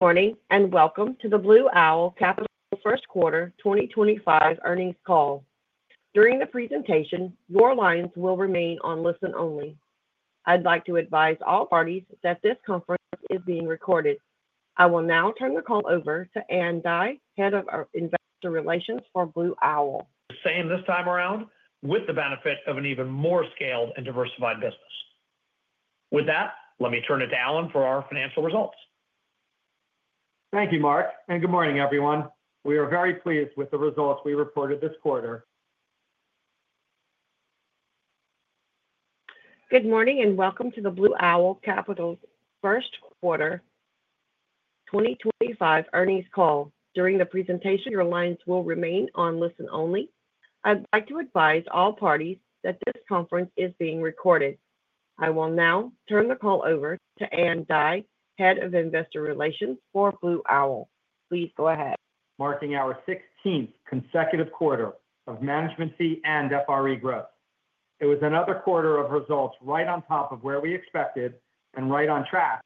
Morning and welcome to the Blue Owl Capital First Quarter 2025 earnings call. During the presentation, your lines will remain on listen only. I'd like to advise all parties that this conference is being recorded. I will now turn the call over to Ann Dai, Head of Investor Relations for Blue Owl. The same this time around, with the benefit of an even more scaled and diversified business. With that, let me turn it to Alan for our financial results. Thank you, Marc. Good morning, everyone. We are very pleased with the results we reported this quarter. Good morning and welcome to the Blue Owl Capital First Quarter 2025 earnings call. During the presentation, your lines will remain on listen only. I'd like to advise all parties that this conference is being recorded. I will now turn the call over to Ann Dai, Head of Investor Relations for Blue Owl. Please go ahead. Marking our 16th consecutive quarter of management fee and FRE growth. It was another quarter of results right on top of where we expected and right on track.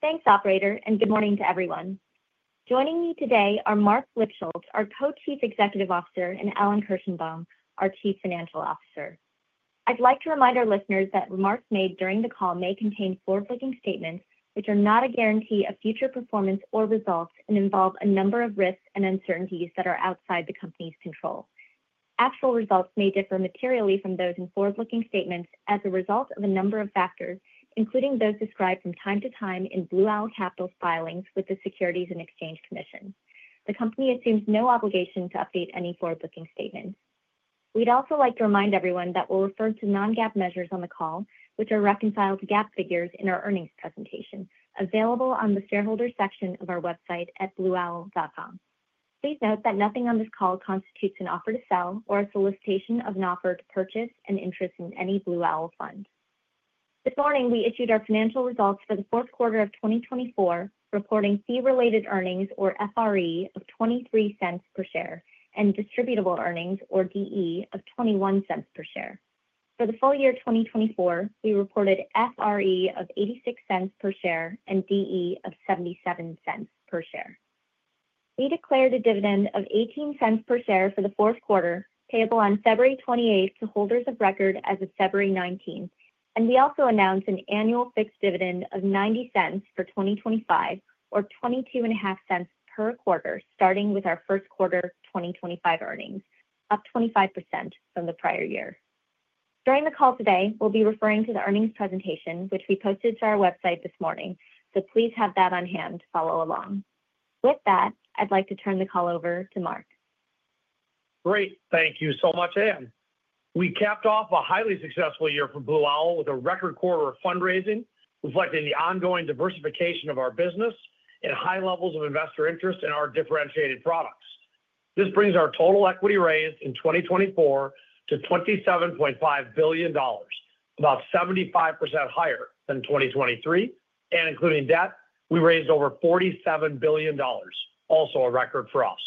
Thanks, Operator, and good morning to everyone. Joining me today are Marc Lipschultz, our Co-Chief Executive Officer, and Alan Kirshenbaum, our Chief Financial Officer. I'd like to remind our listeners that remarks made during the call may contain forward-looking statements, which are not a guarantee of future performance or results, and involve a number of risks and uncertainties that are outside the company's control. Actual results may differ materially from those in forward-looking statements as a result of a number of factors, including those described from time to time in Blue Owl Capital's filings with the Securities and Exchange Commission. The company assumes no obligation to update any forward-looking statements. We'd also like to remind everyone that we'll refer to non-GAAP measures on the call, which are reconciled to GAAP figures in our earnings presentation, available on the shareholder section of our website at blueowl.com. Please note that nothing on this call constitutes an offer to sell or a solicitation of an offer to purchase an interest in any Blue Owl fund. This morning, we issued our financial results for the fourth quarter of 2024, reporting fee-related earnings, or FRE, of $0.23 per share and distributable earnings, or DE, of $0.21 per share. For the full year 2024, we reported FRE of $0.86 per share and DE of $0.77 per share. We declared a dividend of $0.18 per share for the fourth quarter, payable on February 28th to holders of record as of February 19th, and we also announced an annual fixed dividend of $0.90 for 2025, or $0.22 per quarter, starting with our first quarter 2025 earnings, up 25% from the prior year. During the call today, we'll be referring to the earnings presentation, which we posted to our website this morning, so please have that on hand to follow along. With that, I'd like to turn the call over to Marc. Great. Thank you so much, Ann. We capped off a highly successful year for Blue Owl with a record quarter of fundraising reflecting the ongoing diversification of our business and high levels of investor interest in our differentiated products. This brings our total equity raised in 2024 to $27.5 billion, about 75% higher than 2023, and including debt, we raised over $47 billion, also a record for us.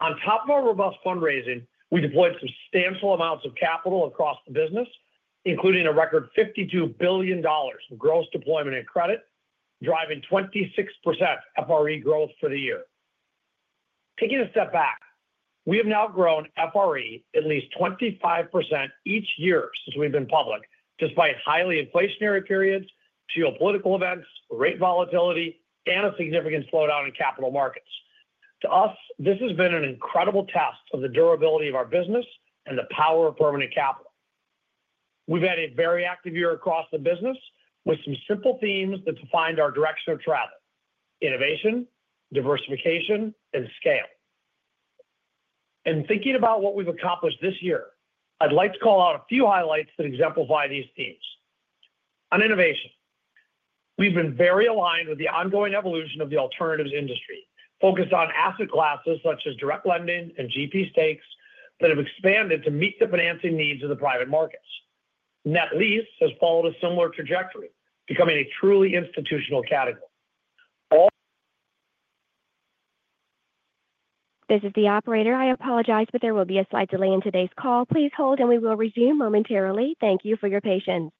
On top of our robust fundraising, we deployed substantial amounts of capital across the business, including a record $52 billion in gross deployment and credit, driving 26% FRE growth for the year. Taking a step back, we have now grown FRE at least 25% each year since we've been public, despite highly inflationary periods, geopolitical events, rate volatility, and a significant slowdown in capital markets. To us, this has been an incredible test of the durability of our business and the power of permanent capital. We've had a very active year across the business with some simple themes that define our direction of travel: innovation, diversification, and scale. In thinking about what we've accomplished this year, I'd like to call out a few highlights that exemplify these themes. On innovation, we've been very aligned with the ongoing evolution of the alternatives industry, focused on asset classes such as direct lending and GP stakes that have expanded to meet the financing needs of the private markets. Net lease has followed a similar trajectory, becoming a truly institutional category. This is the operator. I apologize that there will be a slight delay in today's call. Please hold, and we will resume momentarily. Thank you for your patience.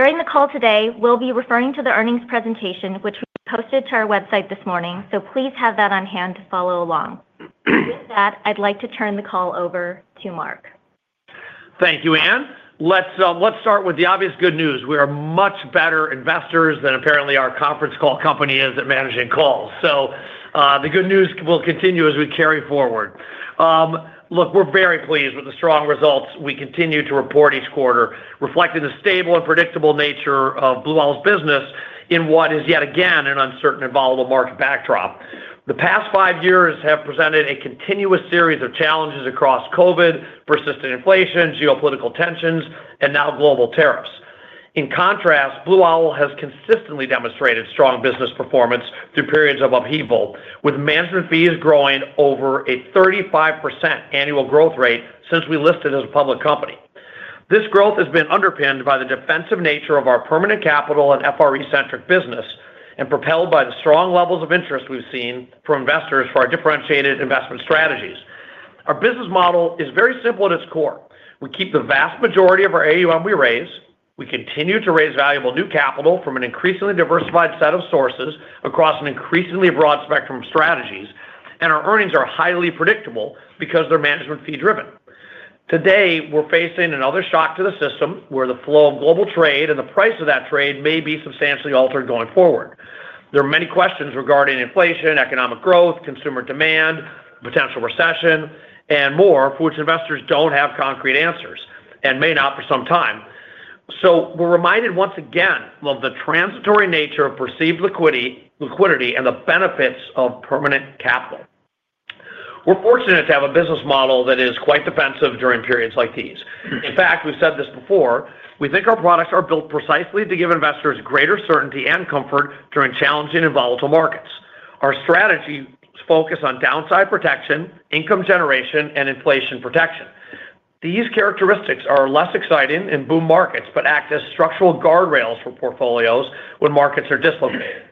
During the call today, we'll be referring to the earnings presentation, which we posted to our website this morning, so please have that on hand to follow along. With that, I'd like to turn the call over to Marc. Thank you, Ann. Let's start with the obvious good news. We are much better investors than apparently our conference call company is at managing calls. The good news will continue as we carry forward. Look, we're very pleased with the strong results we continue to report each quarter, reflecting the stable and predictable nature of Blue Owl's business in what is yet again an uncertain and volatile market backdrop. The past 5 years have presented a continuous series of challenges across COVID, persistent inflation, geopolitical tensions, and now global tariffs. In contrast, Blue Owl has consistently demonstrated strong business performance through periods of upheaval, with management fees growing over a 35% annual growth rate since we listed as a public company. This growth has been underpinned by the defensive nature of our permanent capital and FRE-centric business, and propelled by the strong levels of interest we've seen from investors for our differentiated investment strategies. Our business model is very simple at its core. We keep the vast majority of our AUM we raise. We continue to raise valuable new capital from an increasingly diversified set of sources across an increasingly broad spectrum of strategies, and our earnings are highly predictable because they're management fee-driven. Today, we're facing another shock to the system where the flow of global trade and the price of that trade may be substantially altered going forward. There are many questions regarding inflation, economic growth, consumer demand, potential recession, and more, for which investors don't have concrete answers and may not for some time. We're reminded once again of the transitory nature of perceived liquidity and the benefits of permanent capital. We're fortunate to have a business model that is quite defensive during periods like these. In fact, we've said this before. We think our products are built precisely to give investors greater certainty and comfort during challenging and volatile markets. Our strategy focuses on downside protection, income generation, and inflation protection. These characteristics are less exciting in boom markets but act as structural guardrails for portfolios when markets are dislocated.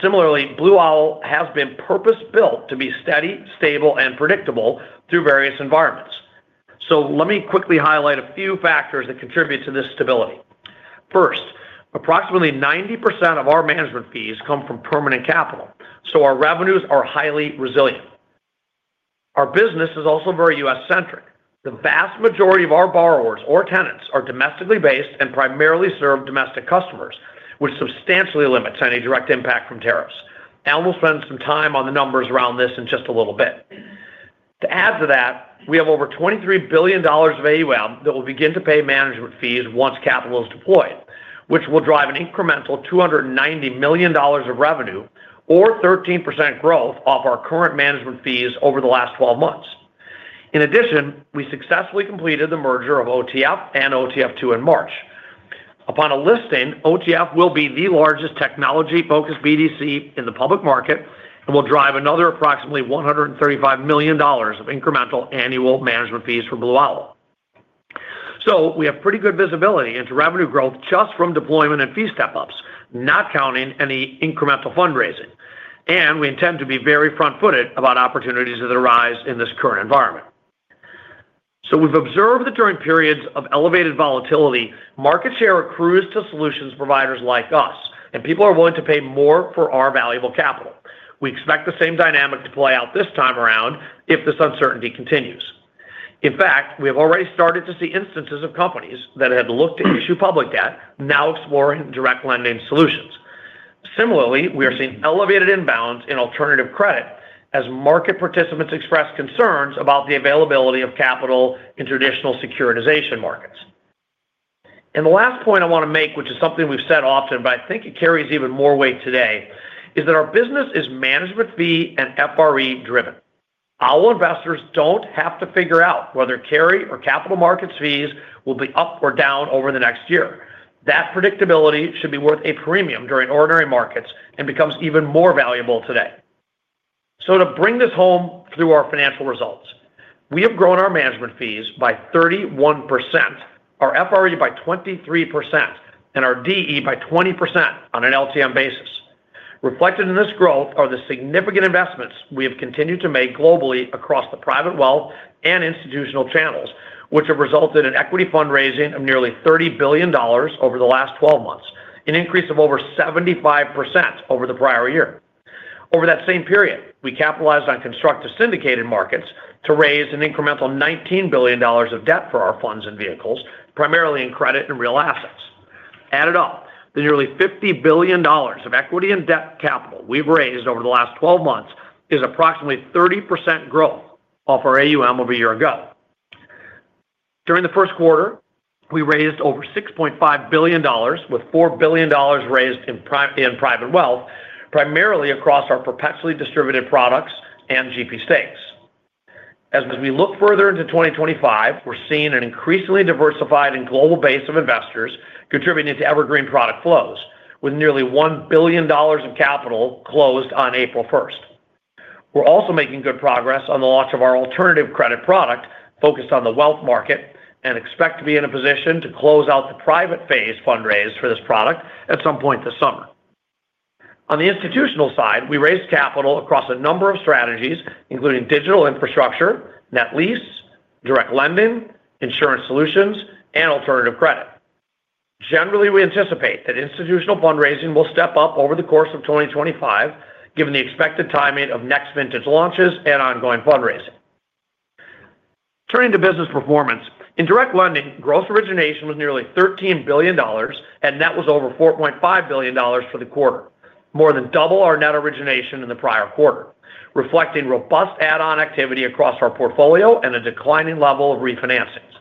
Similarly, Blue Owl has been purpose-built to be steady, stable, and predictable through various environments. Let me quickly highlight a few factors that contribute to this stability. First, approximately 90% of our management fees come from permanent capital, so our revenues are highly resilient. Our business is also very U.S.-centric. The vast majority of our borrowers or tenants are domestically based and primarily serve domestic customers, which substantially limits any direct impact from tariffs. Alan will spend some time on the numbers around this in just a little bit. To add to that, we have over $23 billion of AUM that will begin to pay management fees once capital is deployed, which will drive an incremental $290 million of revenue, or 13% growth off our current management fees over the last 12 months. In addition, we successfully completed the merger of OTF and OTF2 in March. Upon a listing, OTF will be the largest technology-focused BDC in the public market and will drive another approximately $135 million of incremental annual management fees for Blue Owl. We have pretty good visibility into revenue growth just from deployment and fee step-ups, not counting any incremental fundraising. We intend to be very front-footed about opportunities that arise in this current environment. We have observed that during periods of elevated volatility, market share accrues to solutions providers like us, and people are willing to pay more for our valuable capital. We expect the same dynamic to play out this time around if this uncertainty continues. In fact, we have already started to see instances of companies that had looked to issue public debt now exploring direct lending solutions. Similarly, we are seeing elevated imbalance in alternative credit as market participants express concerns about the availability of capital in traditional securitization markets. The last point I want to make, which is something we've said often, but I think it carries even more weight today, is that our business is management fee and FRE-driven. Our investors don't have to figure out whether carry or capital markets fees will be up or down over the next year. That predictability should be worth a premium during ordinary markets and becomes even more valuable today. To bring this home through our financial results, we have grown our management fees by 31%, our FRE by 23%, and our DE by 20% on an LTM basis. Reflected in this growth are the significant investments we have continued to make globally across the private wealth and institutional channels, which have resulted in equity fundraising of nearly $30 billion over the last 12 months, an increase of over 75% over the prior year. Over that same period, we capitalized on constructive syndicated markets to raise an incremental $19 billion of debt for our funds and vehicles, primarily in credit and real assets. Add it up. The nearly $50 billion of equity and debt capital we've raised over the last 12 months is approximately 30% growth off our AUM over a year ago. During the first quarter, we raised over $6.5 billion, with $4 billion raised in private wealth, primarily across our perpetually distributed products and GP stakes. As we look further into 2025, we're seeing an increasingly diversified and global base of investors contributing to evergreen product flows, with nearly $1 billion of capital closed on April 1st. We're also making good progress on the launch of our alternative credit product focused on the wealth market and expect to be in a position to close out the private phase fundraise for this product at some point this summer. On the institutional side, we raised capital across a number of strategies, including digital infrastructure, net lease, direct lending, insurance solutions, and alternative credit. Generally, we anticipate that institutional fundraising will step up over the course of 2025, given the expected timing of next vintage launches and ongoing fundraising. Turning to business performance, in direct lending, gross origination was nearly $13 billion, and net was over $4.5 billion for the quarter, more than double our net origination in the prior quarter, reflecting robust add-on activity across our portfolio and a declining level of refinancings.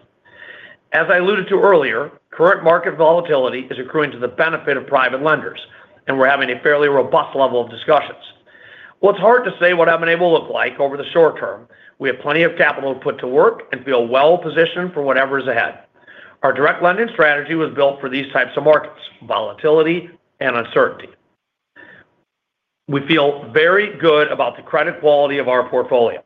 As I alluded to earlier, current market volatility is accruing to the benefit of private lenders, and we're having a fairly robust level of discussions. It is hard to say what it is going to look like over the short term. We have plenty of capital to put to work and feel well-positioned for whatever is ahead. Our direct lending strategy was built for these types of markets: volatility and uncertainty. We feel very good about the credit quality of our portfolio.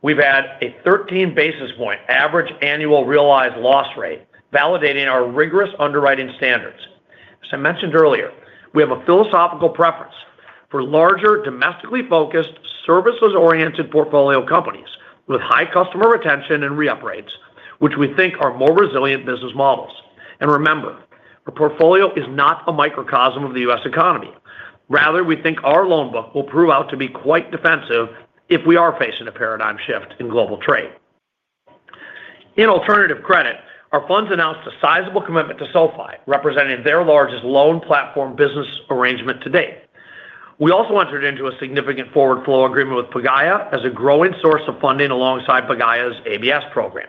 We've had a 13 basis point average annual realized loss rate, validating our rigorous underwriting standards. As I mentioned earlier, we have a philosophical preference for larger, domestically focused, services-oriented portfolio companies with high customer retention and re-up rates, which we think are more resilient business models. Remember, our portfolio is not a microcosm of the U.S. economy. Rather, we think our loan book will prove out to be quite defensive if we are facing a paradigm shift in global trade. In alternative credit, our funds announced a sizable commitment to SoFi, representing their largest loan platform business arrangement to date. We also entered into a significant forward flow agreement with Pagaya as a growing source of funding alongside Pagaya's ABS program.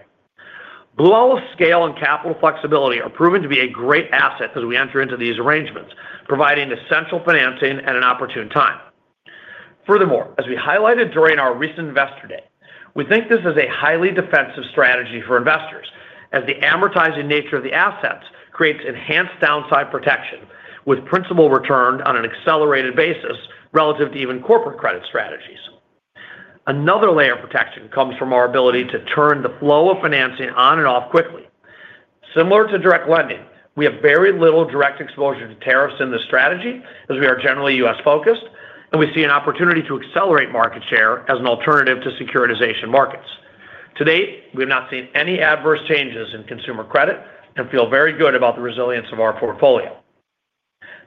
Blue Owl's scale and capital flexibility are proven to be a great asset as we enter into these arrangements, providing essential financing at an opportune time. Furthermore, as we highlighted during our recent Investor Day, we think this is a highly defensive strategy for investors, as the amortizing nature of the assets creates enhanced downside protection, with principal returned on an accelerated basis relative to even corporate credit strategies. Another layer of protection comes from our ability to turn the flow of financing on and off quickly. Similar to direct lending, we have very little direct exposure to tariffs in this strategy as we are generally U.S.-focused, and we see an opportunity to accelerate market share as an alternative to securitization markets. To date, we have not seen any adverse changes in consumer credit and feel very good about the resilience of our portfolio.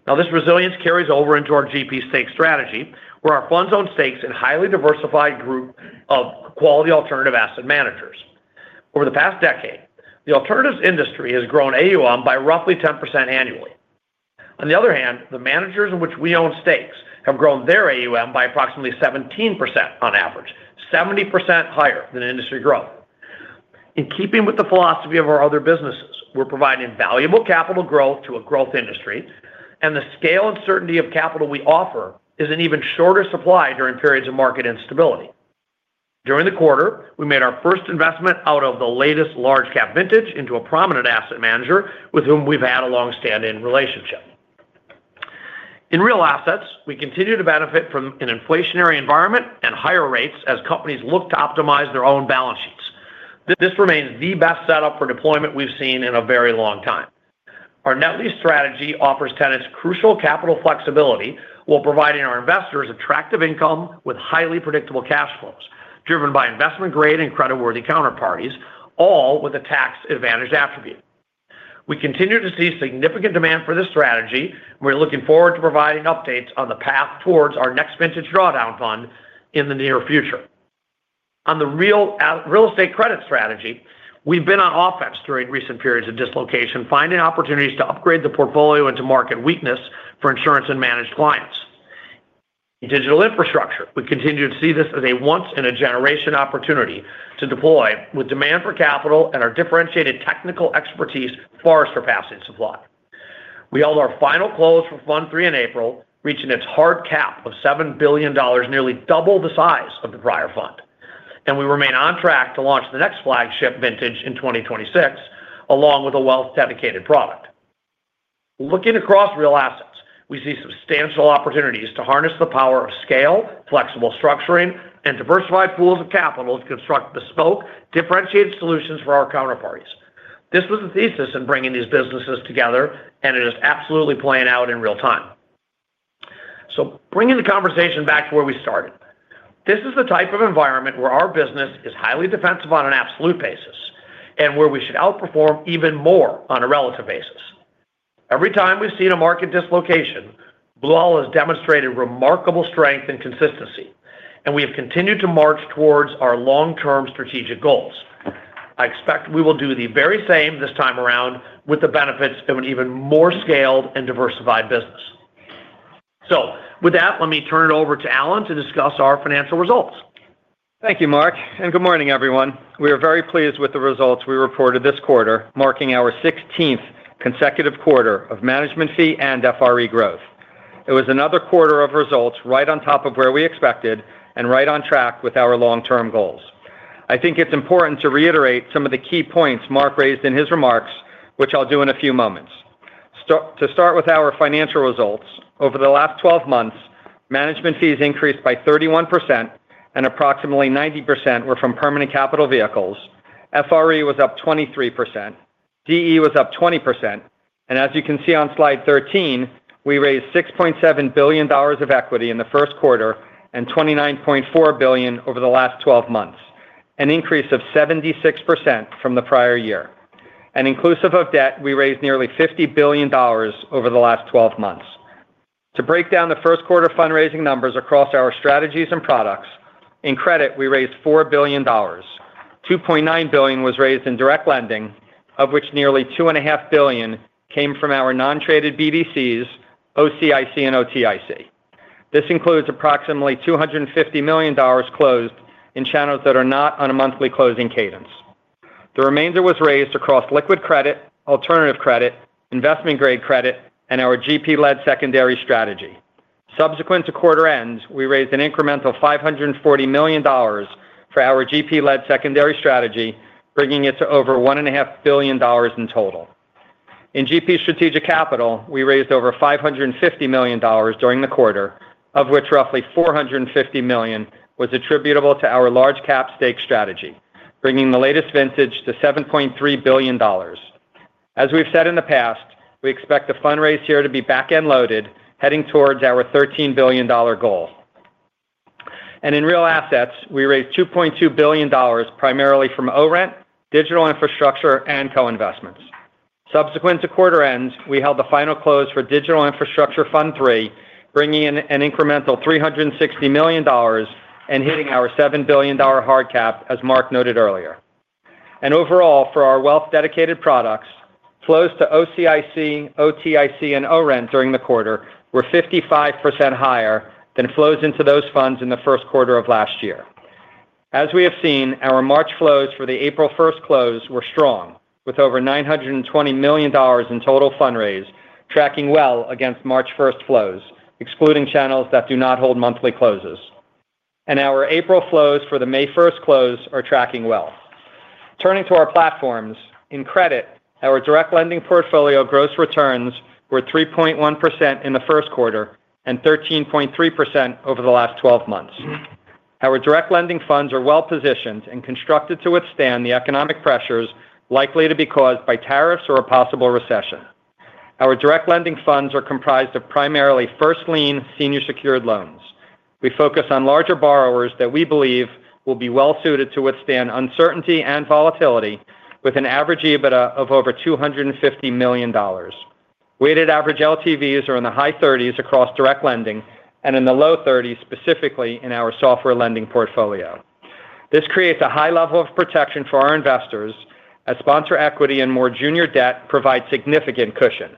Now, this resilience carries over into our GP stake strategy, where our funds own stakes in a highly diversified group of quality alternative asset managers. Over the past decade, the alternatives industry has grown AUM by roughly 10% annually. On the other hand, the managers in which we own stakes have grown their AUM by approximately 17% on average, 70% higher than industry growth. In keeping with the philosophy of our other businesses, we're providing valuable capital growth to a growth industry, and the scale and certainty of capital we offer is in even shorter supply during periods of market instability. During the quarter, we made our first investment out of the latest large-cap vintage into a prominent asset manager with whom we've had a long-standing relationship. In real assets, we continue to benefit from an inflationary environment and higher rates as companies look to optimize their own balance sheets. This remains the best setup for deployment we've seen in a very long time. Our net lease strategy offers tenants crucial capital flexibility while providing our investors attractive income with highly predictable cash flows driven by investment-grade and credit-worthy counterparties, all with a tax-advantaged attribute. We continue to see significant demand for this strategy, and we're looking forward to providing updates on the path towards our next vintage drawdown fund in the near future. On the real estate credit strategy, we've been on offense during recent periods of dislocation, finding opportunities to upgrade the portfolio into market weakness for insurance and managed clients. In digital infrastructure, we continue to see this as a once-in-a-generation opportunity to deploy, with demand for capital and our differentiated technical expertise far surpassing supply. We held our final close for Fund III in April, reaching its hard cap of $7 billion, nearly double the size of the prior fund. We remain on track to launch the next flagship vintage in 2026, along with a wealth-dedicated product. Looking across real assets, we see substantial opportunities to harness the power of scale, flexible structuring, and diversified pools of capital to construct bespoke, differentiated solutions for our counterparties. This was the thesis in bringing these businesses together, and it is absolutely playing out in real time. Bringing the conversation back to where we started, this is the type of environment where our business is highly defensive on an absolute basis and where we should outperform even more on a relative basis. Every time we've seen a market dislocation, Blue Owl has demonstrated remarkable strength and consistency, and we have continued to march towards our long-term strategic goals. I expect we will do the very same this time around with the benefits of an even more scaled and diversified business. With that, let me turn it over to Alan to discuss our financial results. Thank you, Marc. Good morning, everyone. We are very pleased with the results we reported this quarter, marking our 16th consecutive quarter of management fee and FRE growth. It was another quarter of results right on top of where we expected and right on track with our long-term goals. I think it's important to reiterate some of the key points Marc raised in his remarks, which I'll do in a few moments. To start with our financial results, over the last 12 months, management fees increased by 31%, and approximately 90% were from permanent capital vehicles. FRE was up 23%. DE was up 20%. As you can see on slide 13, we raised $6.7 billion of equity in the first quarter and $29.4 billion over the last 12 months, an increase of 76% from the prior year. Inclusive of debt, we raised nearly $50 billion over the last 12 months. To break down the first quarter fundraising numbers across our strategies and products, in credit, we raised $4 billion. $2.9 billion was raised in direct lending, of which nearly $2.5 billion came from our non-traded BDCs, OCIC, and OTIC. This includes approximately $250 million closed in channels that are not on a monthly closing cadence. The remainder was raised across liquid credit, alternative credit, investment-grade credit, and our GP-led secondary strategy. Subsequent to quarter end, we raised an incremental $540 million for our GP-led secondary strategy, bringing it to over $1.5 billion in total. In GP strategic capital, we raised over $550 million during the quarter, of which roughly $450 million was attributable to our large-cap stake strategy, bringing the latest vintage to $7.3 billion. As we've said in the past, we expect the fundraise here to be back-end loaded, heading towards our $13 billion goal. In real assets, we raised $2.2 billion primarily from ORENT, digital infrastructure, and co-investments. Subsequent to quarter end, we held the final close for Digital Infrastructure Fund III, bringing in an incremental $360 million and hitting our $7 billion hard cap, as Marc noted earlier. Overall, for our wealth-dedicated products, flows to OCIC, OTIC, and ORENT during the quarter were 55% higher than flows into those funds in the first quarter of last year. As we have seen, our March flows for the April 1st close were strong, with over $920 million in total fundraise, tracking well against March 1st flows, excluding channels that do not hold monthly closes. Our April flows for the May 1st close are tracking well. Turning to our platforms, in credit, our direct lending portfolio gross returns were 3.1% in the first quarter and 13.3% over the last 12 months. Our direct lending funds are well-positioned and constructed to withstand the economic pressures likely to be caused by tariffs or a possible recession. Our direct lending funds are comprised of primarily first lien, senior secured loans. We focus on larger borrowers that we believe will be well-suited to withstand uncertainty and volatility, with an average EBITDA of over $250 million. Weighted average LTVs are in the high 30s across direct lending and in the low 30s, specifically in our software lending portfolio. This creates a high level of protection for our investors, as sponsor equity and more junior debt provide significant cushion.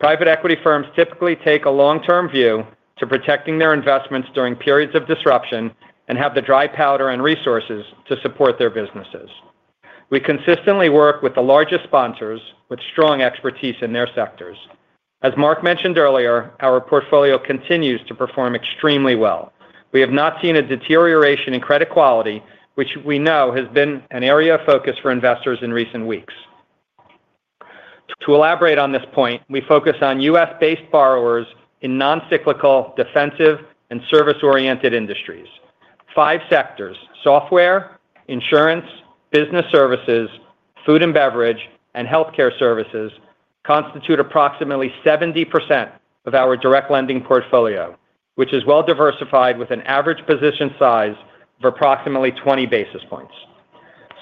Private equity firms typically take a long-term view to protecting their investments during periods of disruption and have the dry powder and resources to support their businesses. We consistently work with the largest sponsors with strong expertise in their sectors. As Marc mentioned earlier, our portfolio continues to perform extremely well. We have not seen a deterioration in credit quality, which we know has been an area of focus for investors in recent weeks. To elaborate on this point, we focus on U.S.-based borrowers in non-cyclical, defensive, and service-oriented industries. Five sectors—software, insurance, business services, food and beverage, and healthcare services—constitute approximately 70% of our direct lending portfolio, which is well-diversified with an average position size of approximately 20 basis points.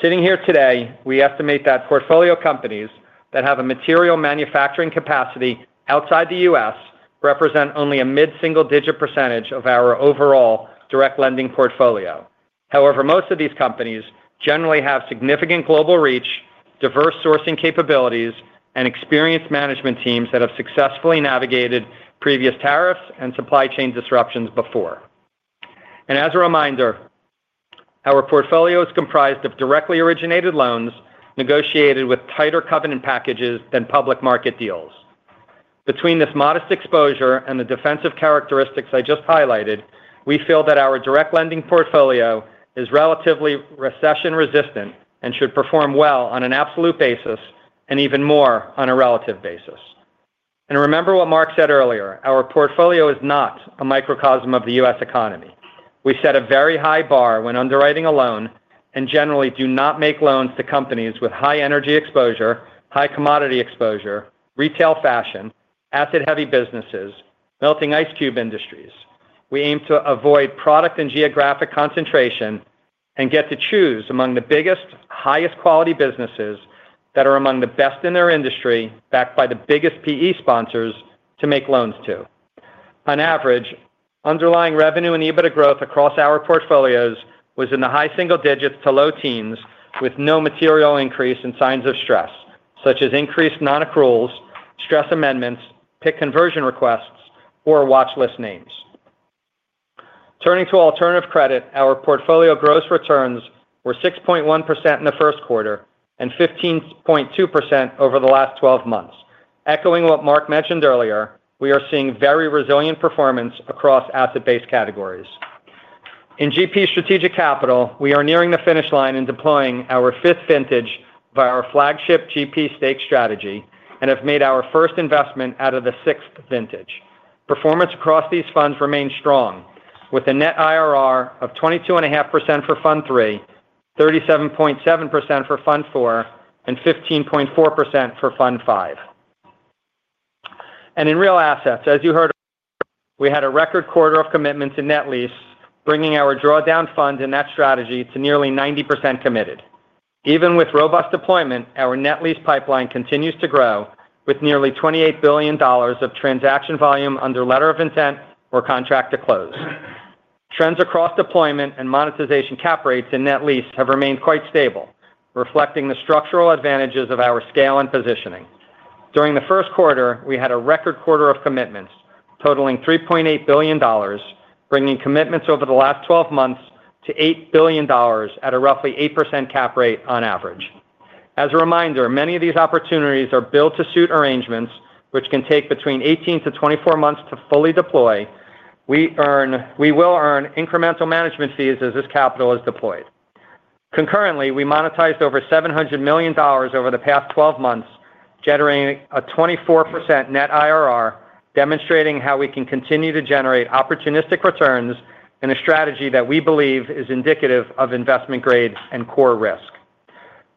Sitting here today, we estimate that portfolio companies that have a material manufacturing capacity outside the U.S. represent only a mid-single-digit percentage of our overall direct lending portfolio. However, most of these companies generally have significant global reach, diverse sourcing capabilities, and experienced management teams that have successfully navigated previous tariffs and supply chain disruptions before. As a reminder, our portfolio is comprised of directly originated loans negotiated with tighter covenant packages than public market deals. Between this modest exposure and the defensive characteristics I just highlighted, we feel that our direct lending portfolio is relatively recession-resistant and should perform well on an absolute basis and even more on a relative basis. Remember what Marc said earlier, our portfolio is not a microcosm of the U.S. economy. We set a very high bar when underwriting a loan and generally do not make loans to companies with high energy exposure, high commodity exposure, retail fashion, asset-heavy businesses, melting ice cube industries. We aim to avoid product and geographic concentration and get to choose among the biggest, highest-quality businesses that are among the best in their industry, backed by the biggest PE sponsors to make loans to. On average, underlying revenue and EBITDA growth across our portfolios was in the high single digits to low teens, with no material increase in signs of stress, such as increased non-accruals, stress amendments, PIK conversion requests, or watchlist names. Turning to alternative credit, our portfolio gross returns were 6.1% in the first quarter and 15.2% over the last 12 months. Echoing what Marc mentioned earlier, we are seeing very resilient performance across asset-based categories. In GP strategic capital, we are nearing the finish line in deploying our fifth vintage via our flagship GP stake strategy and have made our first investment out of the sixth vintage. Performance across these funds remains strong, with a net IRR of 22.5% for Fund III, 37.7% for Fund IV, and 15.4% for Fund V. In real assets, as you heard, we had a record quarter of commitment to net lease, bringing our drawdown fund in that strategy to nearly 90% committed. Even with robust deployment, our net lease pipeline continues to grow, with nearly $28 billion of transaction volume under letter of intent or contract to close. Trends across deployment and monetization cap rates in net lease have remained quite stable, reflecting the structural advantages of our scale and positioning. During the first quarter, we had a record quarter of commitments totaling $3.8 billion, bringing commitments over the last 12 months to $8 billion at a roughly 8% cap rate on average. As a reminder, many of these opportunities are built to suit arrangements, which can take between 18-24 months to fully deploy. We will earn incremental management fees as this capital is deployed. Concurrently, we monetized over $700 million over the past 12 months, generating a 24% net IRR, demonstrating how we can continue to generate opportunistic returns in a strategy that we believe is indicative of investment-grade and core risk.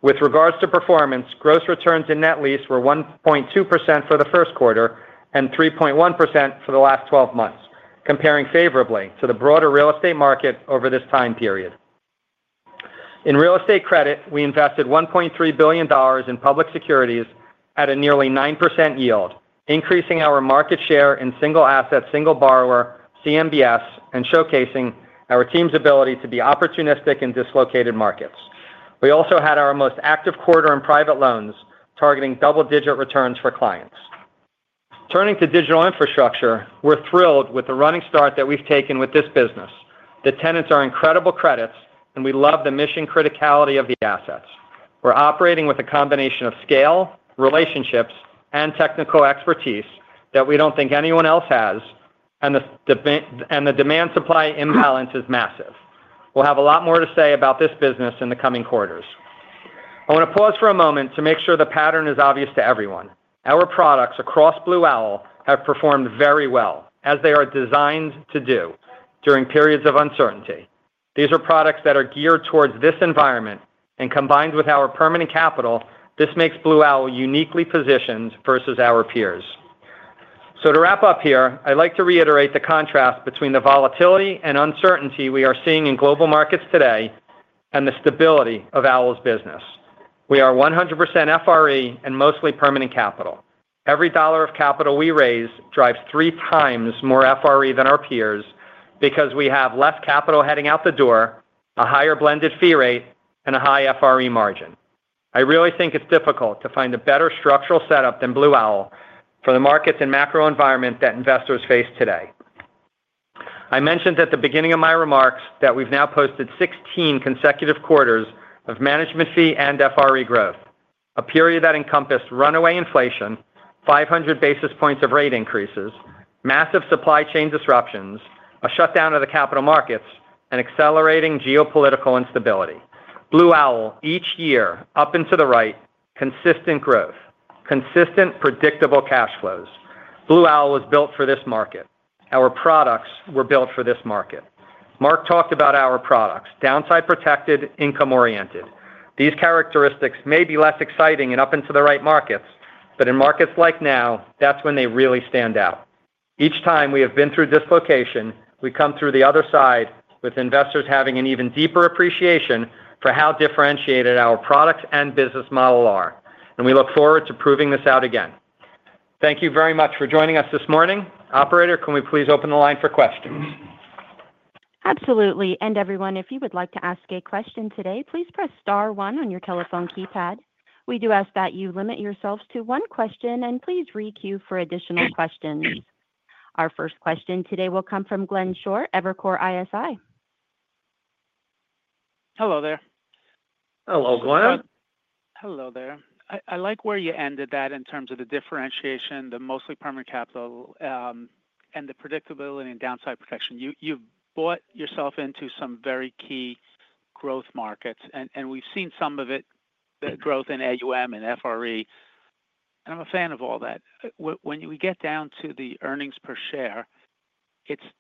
With regards to performance, gross returns in net lease were 1.2% for the first quarter and 3.1% for the last 12 months, comparing favorably to the broader real estate market over this time period. In real estate credit, we invested $1.3 billion in public securities at a nearly 9% yield, increasing our market share in single asset, single borrower, CMBS, and showcasing our team's ability to be opportunistic in dislocated markets. We also had our most active quarter in private loans, targeting double-digit returns for clients. Turning to digital infrastructure, we're thrilled with the running start that we've taken with this business. The tenants are incredible credits, and we love the mission criticality of the assets. We're operating with a combination of scale, relationships, and technical expertise that we don't think anyone else has, and the demand-supply imbalance is massive. We'll have a lot more to say about this business in the coming quarters. I want to pause for a moment to make sure the pattern is obvious to everyone. Our products across Blue Owl have performed very well, as they are designed to do, during periods of uncertainty. These are products that are geared towards this environment, and combined with our permanent capital, this makes Blue Owl uniquely positioned versus our peers. To wrap up here, I'd like to reiterate the contrast between the volatility and uncertainty we are seeing in global markets today and the stability of Owl's business. We are 100% FRE and mostly permanent capital. Every dollar of capital we raise drives 3x more FRE than our peers because we have less capital heading out the door, a higher blended fee rate, and a high FRE margin. I really think it's difficult to find a better structural setup than Blue Owl for the markets and macro environment that investors face today. I mentioned at the beginning of my remarks that we've now posted 16 consecutive quarters of management fee and FRE growth, a period that encompassed runaway inflation, 500 basis points of rate increases, massive supply chain disruptions, a shutdown of the capital markets, and accelerating geopolitical instability. Blue Owl, each year, up and to the right, consistent growth, consistent predictable cash flows. Blue Owl was built for this market. Our products were built for this market. Marc talked about our products: downside protected, income-oriented. These characteristics may be less exciting in up and to the right markets, but in markets like now, that is when they really stand out. Each time we have been through dislocation, we come through the other side with investors having an even deeper appreciation for how differentiated our product and business model are. We look forward to proving this out again. Thank you very much for joining us this morning. Operator, can we please open the line for questions? Absolutely. Everyone, if you would like to ask a question today, please press star one on your telephone keypad. We do ask that you limit yourselves to one question, and please requeue for additional questions. Our first question today will come from Glenn Schorr, Evercore ISI. Hello there. Hello, Glenn. Hello there. I like where you ended that in terms of the differentiation, the mostly permanent capital, and the predictability and downside protection. You've bought yourself into some very key growth markets, and we've seen some of it, the growth in AUM and FRE. And I'm a fan of all that. When we get down to the earnings per share,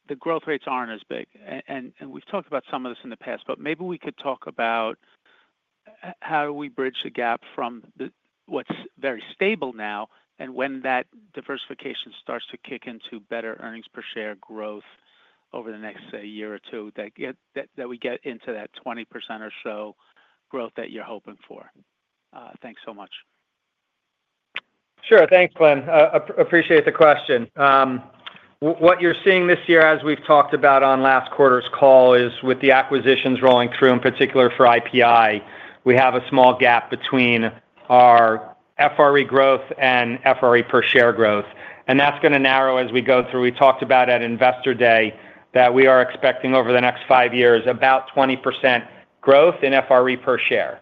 the growth rates aren't as big. We've talked about some of this in the past, but maybe we could talk about how do we bridge the gap from what's very stable now and when that diversification starts to kick into better earnings per share growth over the next year or two that we get into that 20% or so growth that you're hoping for. Thanks so much. Sure. Thanks, Glenn. Appreciate the question. What you're seeing this year, as we've talked about on last quarter's call, is with the acquisitions rolling through, in particular for IPI, we have a small gap between our FRE growth and FRE per share growth. That is going to narrow as we go through. We talked about at investor day that we are expecting over the next 5 years about 20% growth in FRE per share.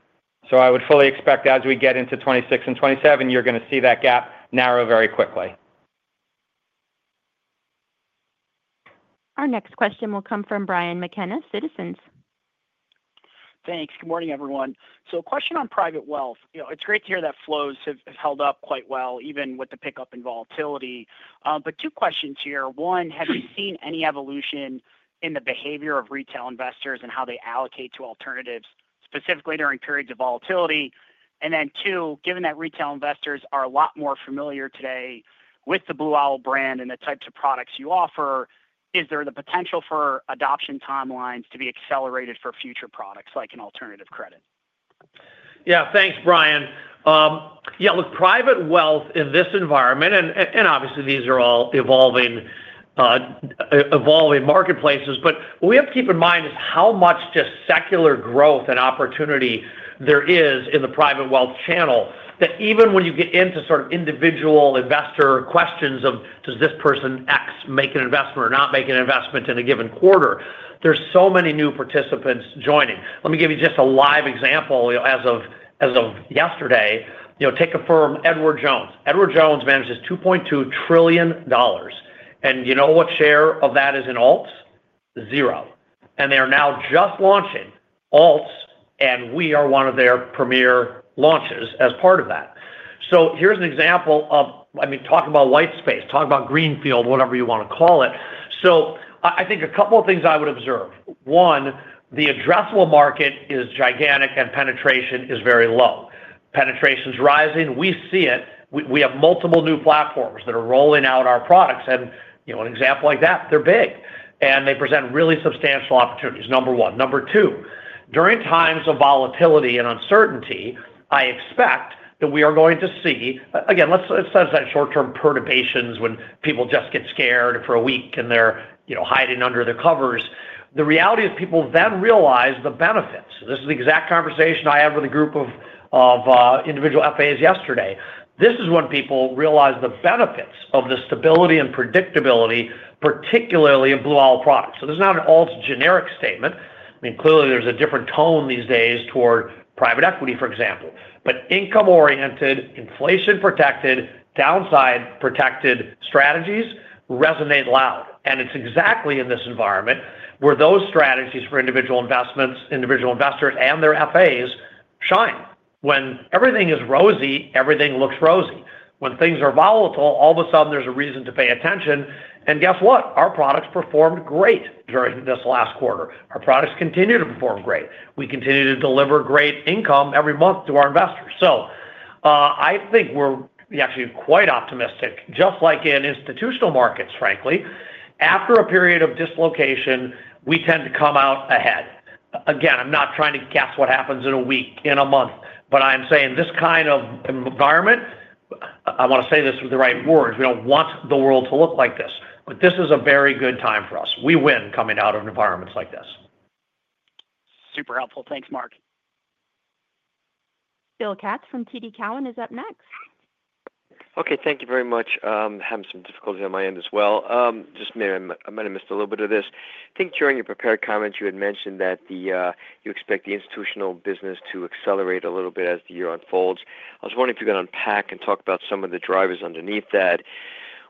I would fully expect as we get into 2026 and 2027, you're going to see that gap narrow very quickly. Our next question will come from Brian McKenna, Citizens. Thanks. Good morning, everyone. A question on private wealth. It's great to hear that flows have held up quite well, even with the pickup in volatility. Two questions here. One, have you seen any evolution in the behavior of retail investors and how they allocate to alternatives, specifically during periods of volatility? Two, given that retail investors are a lot more familiar today with the Blue Owl brand and the types of products you offer, is there the potential for adoption timelines to be accelerated for future products like an alternative credit? Yeah. Thanks, Brian. Yeah. Look, private wealth in this environment, and obviously these are all evolving marketplaces, but what we have to keep in mind is how much just secular growth and opportunity there is in the private wealth channel that even when you get into sort of individual investor questions of, "Does this person X make an investment or not make an investment in a given quarter?" There are so many new participants joining. Let me give you just a live example as of yesterday. Take a firm, Edward Jones. Edward Jones manages $2.2 trillion. And you know what share of that is in Alts? Zero. They are now just launching Alts, and we are one of their premier launches as part of that. Here is an example of, I mean, talk about white space, talk about greenfield, whatever you want to call it. I think a couple of things I would observe. One, the addressable market is gigantic and penetration is very low. Penetration's rising. We see it. We have multiple new platforms that are rolling out our products. An example like that, they're big. They present really substantial opportunities, number one. Number two, during times of volatility and uncertainty, I expect that we are going to see, again, let's set aside short-term perturbations when people just get scared for a week and they're hiding under their covers. The reality is people then realize the benefits. This is the exact conversation I had with a group of individual FAs yesterday. This is when people realize the benefits of the stability and predictability, particularly in Blue Owl products. This is not an alt generic statement. I mean, clearly there's a different tone these days toward private equity, for example. Income-oriented, inflation-protected, downside-protected strategies resonate loud. It is exactly in this environment where those strategies for individual investments, individual investors, and their FAs shine. When everything is rosy, everything looks rosy. When things are volatile, all of a sudden there's a reason to pay attention. Guess what? Our products performed great during this last quarter. Our products continue to perform great. We continue to deliver great income every month to our investors. I think we're actually quite optimistic, just like in institutional markets, frankly. After a period of dislocation, we tend to come out ahead. Again, I'm not trying to guess what happens in a week, in a month, but I'm saying this kind of environment, I want to say this with the right words, we don't want the world to look like this, but this is a very good time for us. We win coming out of environments like this. Super helpful. Thanks, Marc. Bill Katz from TD Cowen is up next. Okay. Thank you very much. I'm having some difficulty on my end as well. Just maybe I might have missed a little bit of this. I think during your prepared comments, you had mentioned that you expect the institutional business to accelerate a little bit as the year unfolds. I was wondering if you could unpack and talk about some of the drivers underneath that,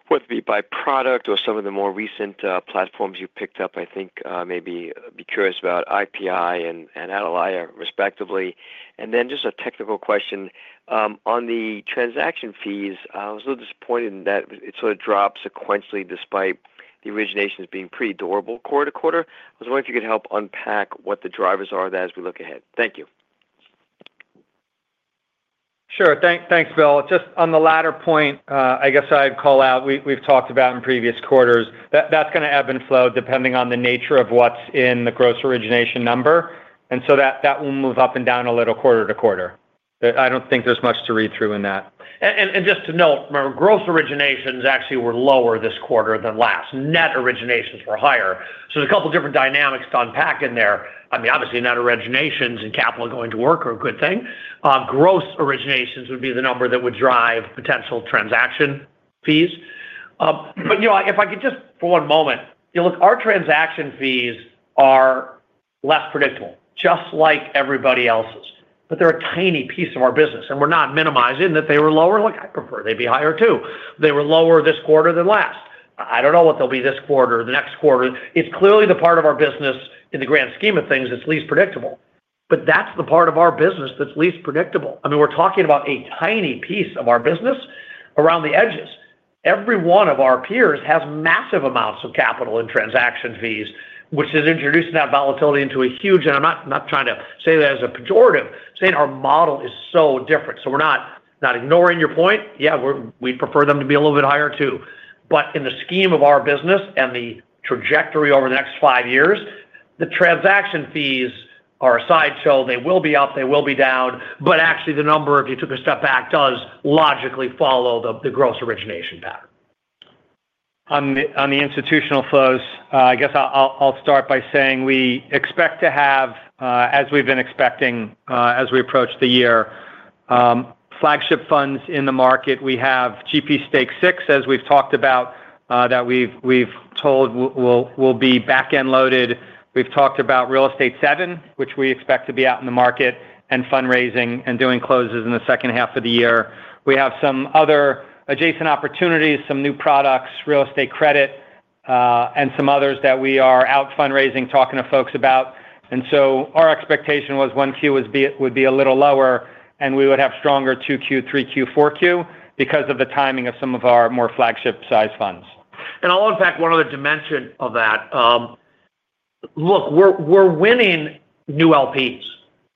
whether it be by product or some of the more recent platforms you picked up. I think maybe be curious about IPI and Atalaya, respectively. And then just a technical question. On the transaction fees, I was a little disappointed in that it sort of dropped sequentially despite the originations being pretty durable quarter to quarter. I was wondering if you could help unpack what the drivers are as we look ahead. Thank you. Sure. Thanks, Bill. Just on the latter point, I guess I'd call out we've talked about in previous quarters. That's going to ebb and flow depending on the nature of what's in the gross origination number. And so that will move up and down a little quarter to quarter. I don't think there's much to read through in that. Just to note, gross originations actually were lower this quarter than last. Net originations were higher. There are a couple of different dynamics to unpack in there. I mean, obviously net originations and capital going to work are a good thing. Gross originations would be the number that would drive potential transaction fees. If I could just for one moment, look, our transaction fees are less predictable, just like everybody else's. They are a tiny piece of our business. We are not minimizing that they were lower. I prefer they be higher too. They were lower this quarter than last. I do not know what they will be this quarter, the next quarter. It is clearly the part of our business in the grand scheme of things that is least predictable. That is the part of our business that is least predictable. I mean, we're talking about a tiny piece of our business around the edges. Every one of our peers has massive amounts of capital and transaction fees, which is introducing that volatility into a huge, and I'm not trying to say that as a pejorative, saying our model is so different. We're not ignoring your point. Yeah, we'd prefer them to be a little bit higher too. In the scheme of our business and the trajectory over the next 5 years, the transaction fees are a sideshow. They will be up. They will be down. Actually, the number, if you took a step back, does logically follow the gross origination pattern. On the institutional flows, I guess I'll start by saying we expect to have, as we've been expecting as we approach the year, flagship funds in the market. We have GP Stakes VI, as we've talked about, that we've told will be back-end loaded. We've talked about Real Estate VII, which we expect to be out in the market and fundraising and doing closes in the second half of the year. We have some other adjacent opportunities, some new products, real estate credit, and some others that we are out fundraising, talking to folks about. Our expectation was 1Q would be a little lower, and we would have stronger 2Q, 3Q, 4Q because of the timing of some of our more flagship-sized funds. I'll unpack one other dimension of that. Look, we're winning new LPs.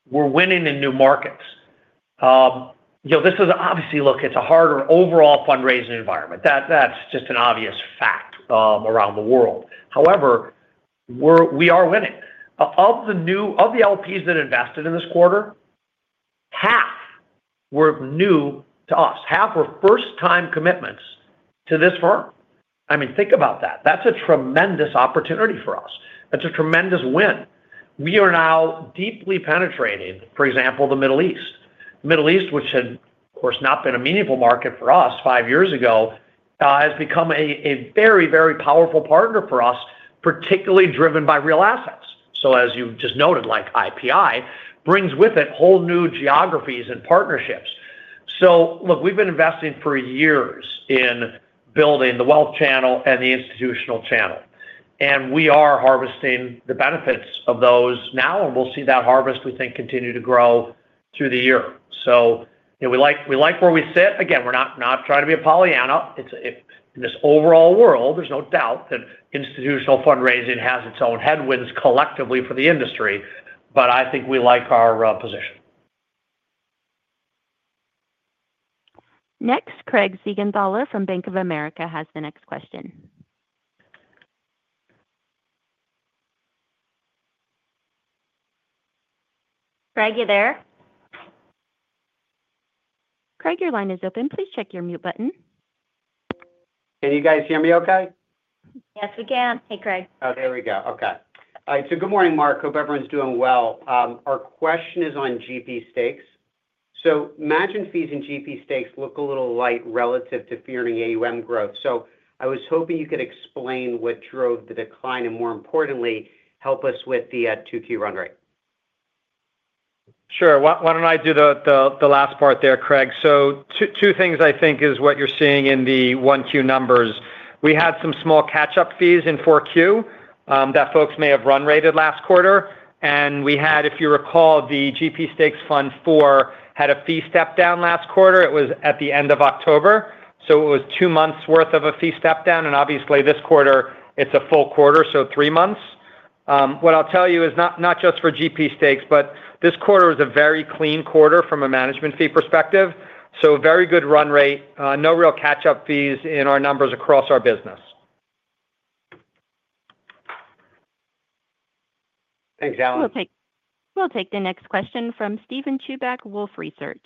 We're winning in new markets. This is obviously, look, it's a harder overall fundraising environment. That's just an obvious fact around the world. However, we are winning. Of the LPs that invested in this quarter, half were new to us. Half were first-time commitments to this firm. I mean, think about that. That is a tremendous opportunity for us. That is a tremendous win. We are now deeply penetrating, for example, the Middle East. Middle East, which had, of course, not been a meaningful market for us 5 years ago, has become a very, very powerful partner for us, particularly driven by real assets. As you just noted, like IPI, brings with it whole new geographies and partnerships. Look, we have been investing for years in building the wealth channel and the institutional channel. We are harvesting the benefits of those now, and we will see that harvest, we think, continue to grow through the year. We like where we sit. Again, we are not trying to be a Pollyanna. In this overall world, there's no doubt that institutional fundraising has its own headwinds collectively for the industry. I think we like our position. Next, Craig Siegenthaler from Bank of America has the next question. Craig, you there? Craig, your line is open. Please check your mute button. Can you guys hear me okay? Yes, we can. Hey, Craig. Oh, there we go. Okay. All right. Good morning, Marc. Hope everyone's doing well. Our question is on GP stakes. Margin fees in GP stakes look a little light relative to fear in AUM growth. I was hoping you could explain what drove the decline and, more importantly, help us with the 2Q run rate. Sure. Why don't I do the last part there, Craig? Two things, I think, is what you're seeing in the 1Q numbers. We had some small catch-up fees in 4Q that folks may have run rated last quarter. We had, if you recall, the GP Stakes Fund IV had a fee step-down last quarter. It was at the end of October. It was two months' worth of a fee step-down. Obviously, this quarter, it's a full quarter, so three months. What I'll tell you is not just for GP stakes, but this quarter was a very clean quarter from a management fee perspective. Very good run rate, no real catch-up fees in our numbers across our business. Thanks, Alan. We'll take the next question from Steven Chewbeck, Wolfe Research.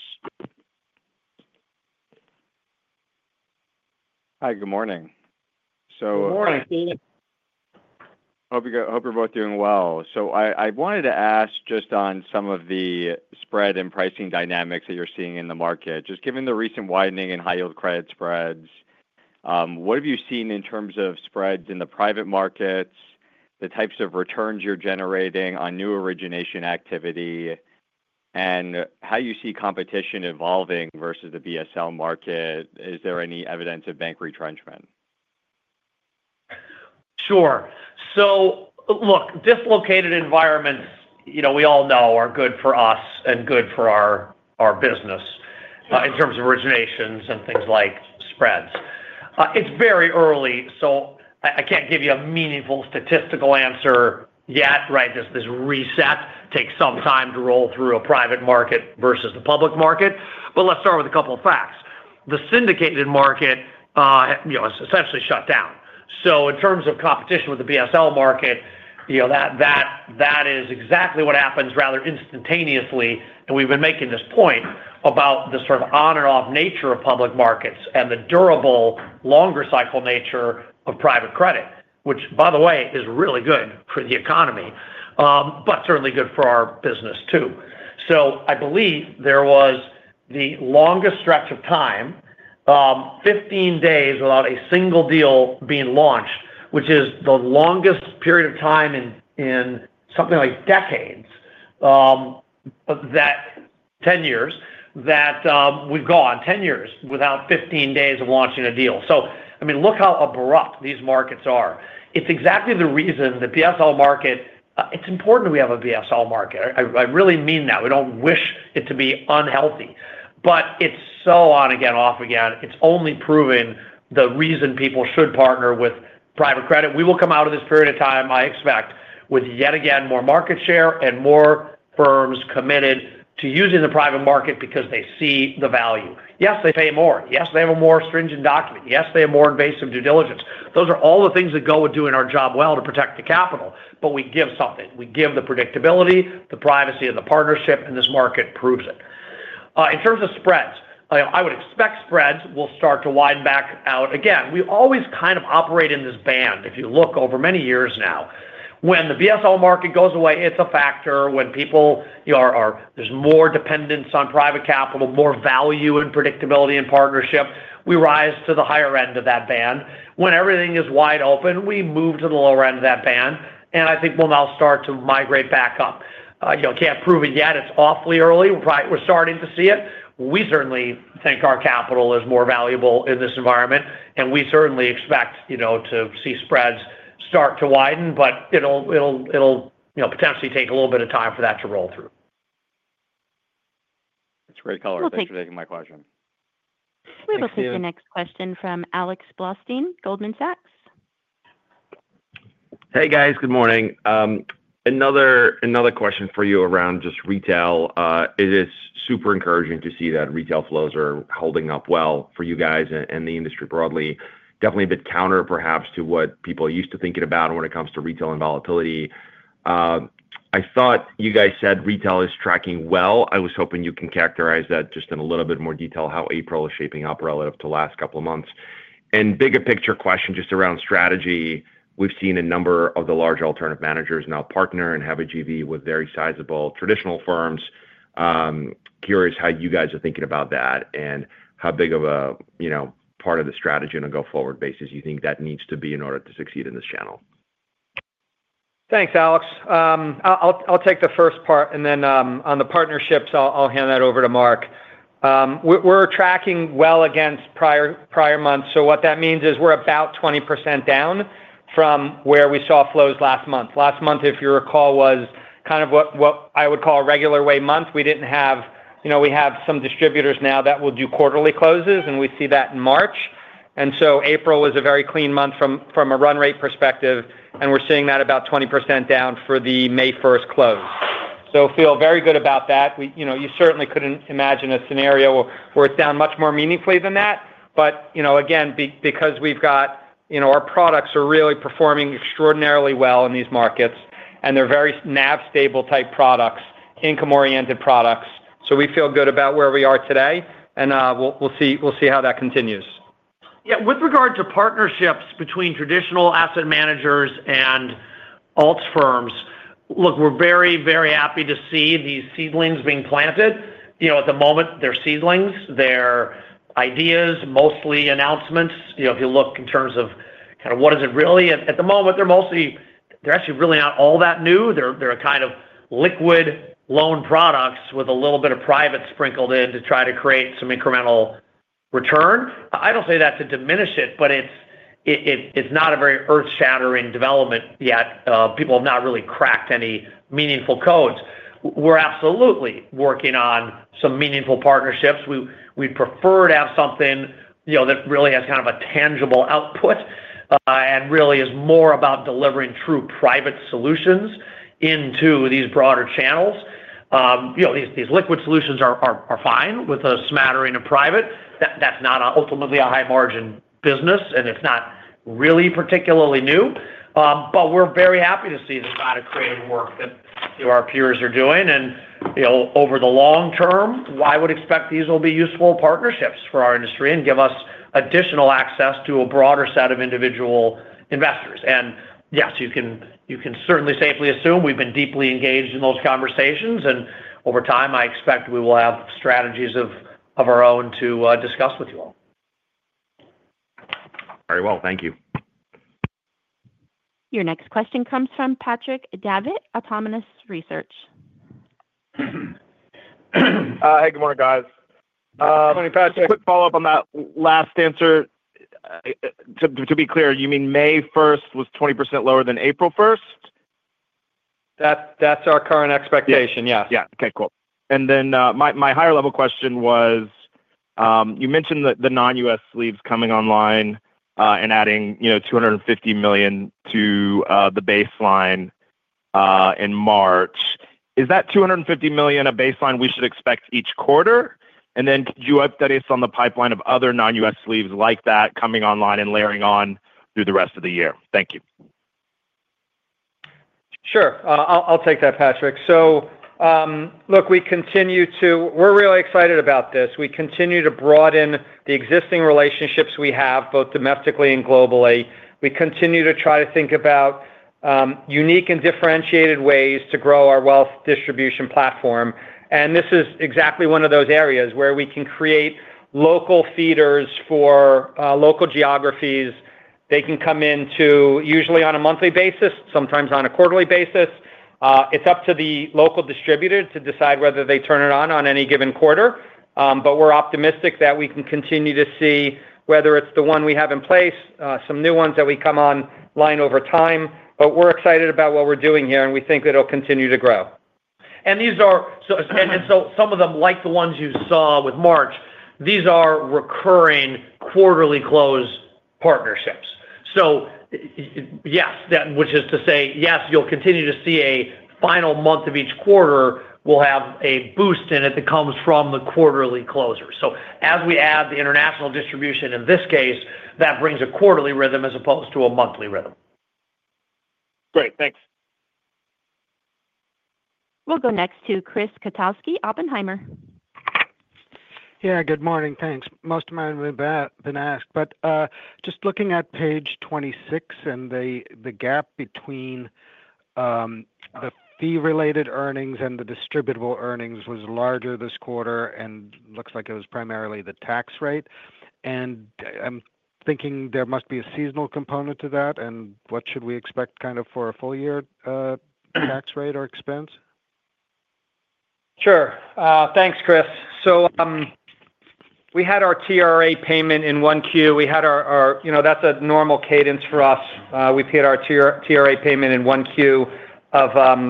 Hi. Good morning. Good morning, Steven. Hope you're both doing well. I wanted to ask just on some of the spread and pricing dynamics that you're seeing in the market. Just given the recent widening in high-yield credit spreads, what have you seen in terms of spreads in the private markets, the types of returns you're generating on new origination activity, and how you see competition evolving versus the BSL market? Is there any evidence of bank retrenchment? Sure. Look, dislocated environments, we all know, are good for us and good for our business in terms of originations and things like spreads. It's very early, so I can't give you a meaningful statistical answer yet, right? This reset takes some time to roll through a private market versus the public market. Let's start with a couple of facts. The syndicated market has essentially shut down. In terms of competition with the BSL market, that is exactly what happens rather instantaneously. We have been making this point about the sort of on-and-off nature of public markets and the durable, longer-cycle nature of private credit, which, by the way, is really good for the economy, but certainly good for our business too. I believe there was the longest stretch of time, 15 days without a single deal being launched, which is the longest period of time in something like decades, 10 years, that we have gone 10 years without 15 days of launching a deal. I mean, look how abrupt these markets are. It is exactly the reason the BSL market, it is important we have a BSL market. I really mean that. We do not wish it to be unhealthy. It is so on again, off again. It has only proven the reason people should partner with private credit. We will come out of this period of time, I expect, with yet again more market share and more firms committed to using the private market because they see the value. Yes, they pay more. Yes, they have a more stringent document. Yes, they have more invasive due diligence. Those are all the things that go with doing our job well to protect the capital. We give something. We give the predictability, the privacy, and the partnership, and this market proves it. In terms of spreads, I would expect spreads will start to widen back out again. We always kind of operate in this band. If you look over many years now, when the BSL market goes away, it is a factor. When there is more dependence on private capital, more value and predictability and partnership, we rise to the higher end of that band. When everything is wide open, we move to the lower end of that band. I think we'll now start to migrate back up. Can't prove it yet. It's awfully early. We're starting to see it. We certainly think our capital is more valuable in this environment. We certainly expect to see spreads start to widen. It'll potentially take a little bit of time for that to roll through. That's great color. Thanks for taking my question. We'll take the next question from Alex Blostein, Goldman Sachs. Hey, guys. Good morning. Another question for you around just retail. It is super encouraging to see that retail flows are holding up well for you guys and the industry broadly. Definitely a bit counter perhaps to what people used to think about when it comes to retail and volatility. I thought you guys said retail is tracking well. I was hoping you can characterize that just in a little bit more detail, how April is shaping up relative to last couple of months. Bigger picture question just around strategy. We've seen a number of the large alternative managers now partner and have a JV with very sizable traditional firms. Curious how you guys are thinking about that and how big of a part of the strategy on a go-forward basis you think that needs to be in order to succeed in this channel. Thanks, Alex. I'll take the first part. On the partnerships, I'll hand that over to Marc. We're tracking well against prior months. What that means is we're about 20% down from where we saw flows last month. Last month, if you recall, was kind of what I would call a regular way month. We have some distributors now that will do quarterly closes, and we see that in March. April was a very clean month from a run rate perspective. We are seeing that about 20% down for the May 1st close. We feel very good about that. You certainly could not imagine a scenario where it is down much more meaningfully than that. Again, because our products are really performing extraordinarily well in these markets. They are very NAV-stable type products, income-oriented products. We feel good about where we are today. We will see how that continues. With regard to partnerships between traditional asset managers and alt firms, look, we are very, very happy to see these seedlings being planted. At the moment, they are seedlings. They are ideas, mostly announcements. If you look in terms of kind of what is it really, at the moment, they're actually really not all that new. They're kind of liquid loan products with a little bit of private sprinkled in to try to create some incremental return. I don't say that to diminish it, but it's not a very earth-shattering development yet. People have not really cracked any meaningful codes. We're absolutely working on some meaningful partnerships. We'd prefer to have something that really has kind of a tangible output and really is more about delivering true private solutions into these broader channels. These liquid solutions are fine with a smattering of private. That's not ultimately a high-margin business, and it's not really particularly new. We're very happy to see the kind of creative work that our peers are doing. Over the long term, I would expect these will be useful partnerships for our industry and give us additional access to a broader set of individual investors. Yes, you can certainly safely assume we've been deeply engaged in those conversations. Over time, I expect we will have strategies of our own to discuss with you all. Very well. Thank you. Your next question comes from Patrick Davitt, Autonomous Research. Hey, good morning, guys. Good morning, Patrick. Quick follow-up on that last answer. To be clear, you mean May 1st was 20% lower than April 1st? That's our current expectation. Yes. Yeah. Okay. Cool. My higher-level question was, you mentioned the non-U.S. sleeves coming online and adding $250 million to the baseline in March. Is that $250 million a baseline we should expect each quarter? Could you update us on the pipeline of other non-U.S. sleeves like that coming online and layering on through the rest of the year? Thank you. Sure. I'll take that, Patrick. We continue to—we're really excited about this. We continue to broaden the existing relationships we have, both domestically and globally. We continue to try to think about unique and differentiated ways to grow our wealth distribution platform. This is exactly one of those areas where we can create local feeders for local geographies. They can come in usually on a monthly basis, sometimes on a quarterly basis. It's up to the local distributor to decide whether they turn it on on any given quarter. We're optimistic that we can continue to see, whether it's the one we have in place, some new ones that come online over time. We're excited about what we're doing here, and we think it'll continue to grow. Some of them, like the ones you saw with March, these are recurring quarterly close partnerships. Yes, which is to say, yes, you'll continue to see a final month of each quarter will have a boost in it that comes from the quarterly closers. As we add the international distribution in this case, that brings a quarterly rhythm as opposed to a monthly rhythm. Great. Thanks. We'll go next to Chris Kotowski, Oppenheimer. Yeah. Good morning. Thanks. Most of mine have been asked. Just looking at page 26 and the gap between the fee-related earnings and the distributable earnings was larger this quarter. It looks like it was primarily the tax rate. I'm thinking there must be a seasonal component to that. What should we expect kind of for a full-year tax rate or expense? Sure. Thanks, Chris. We had our TRA payment in 1Q. That is a normal cadence for us. We have hit our TRA payment in 1Q of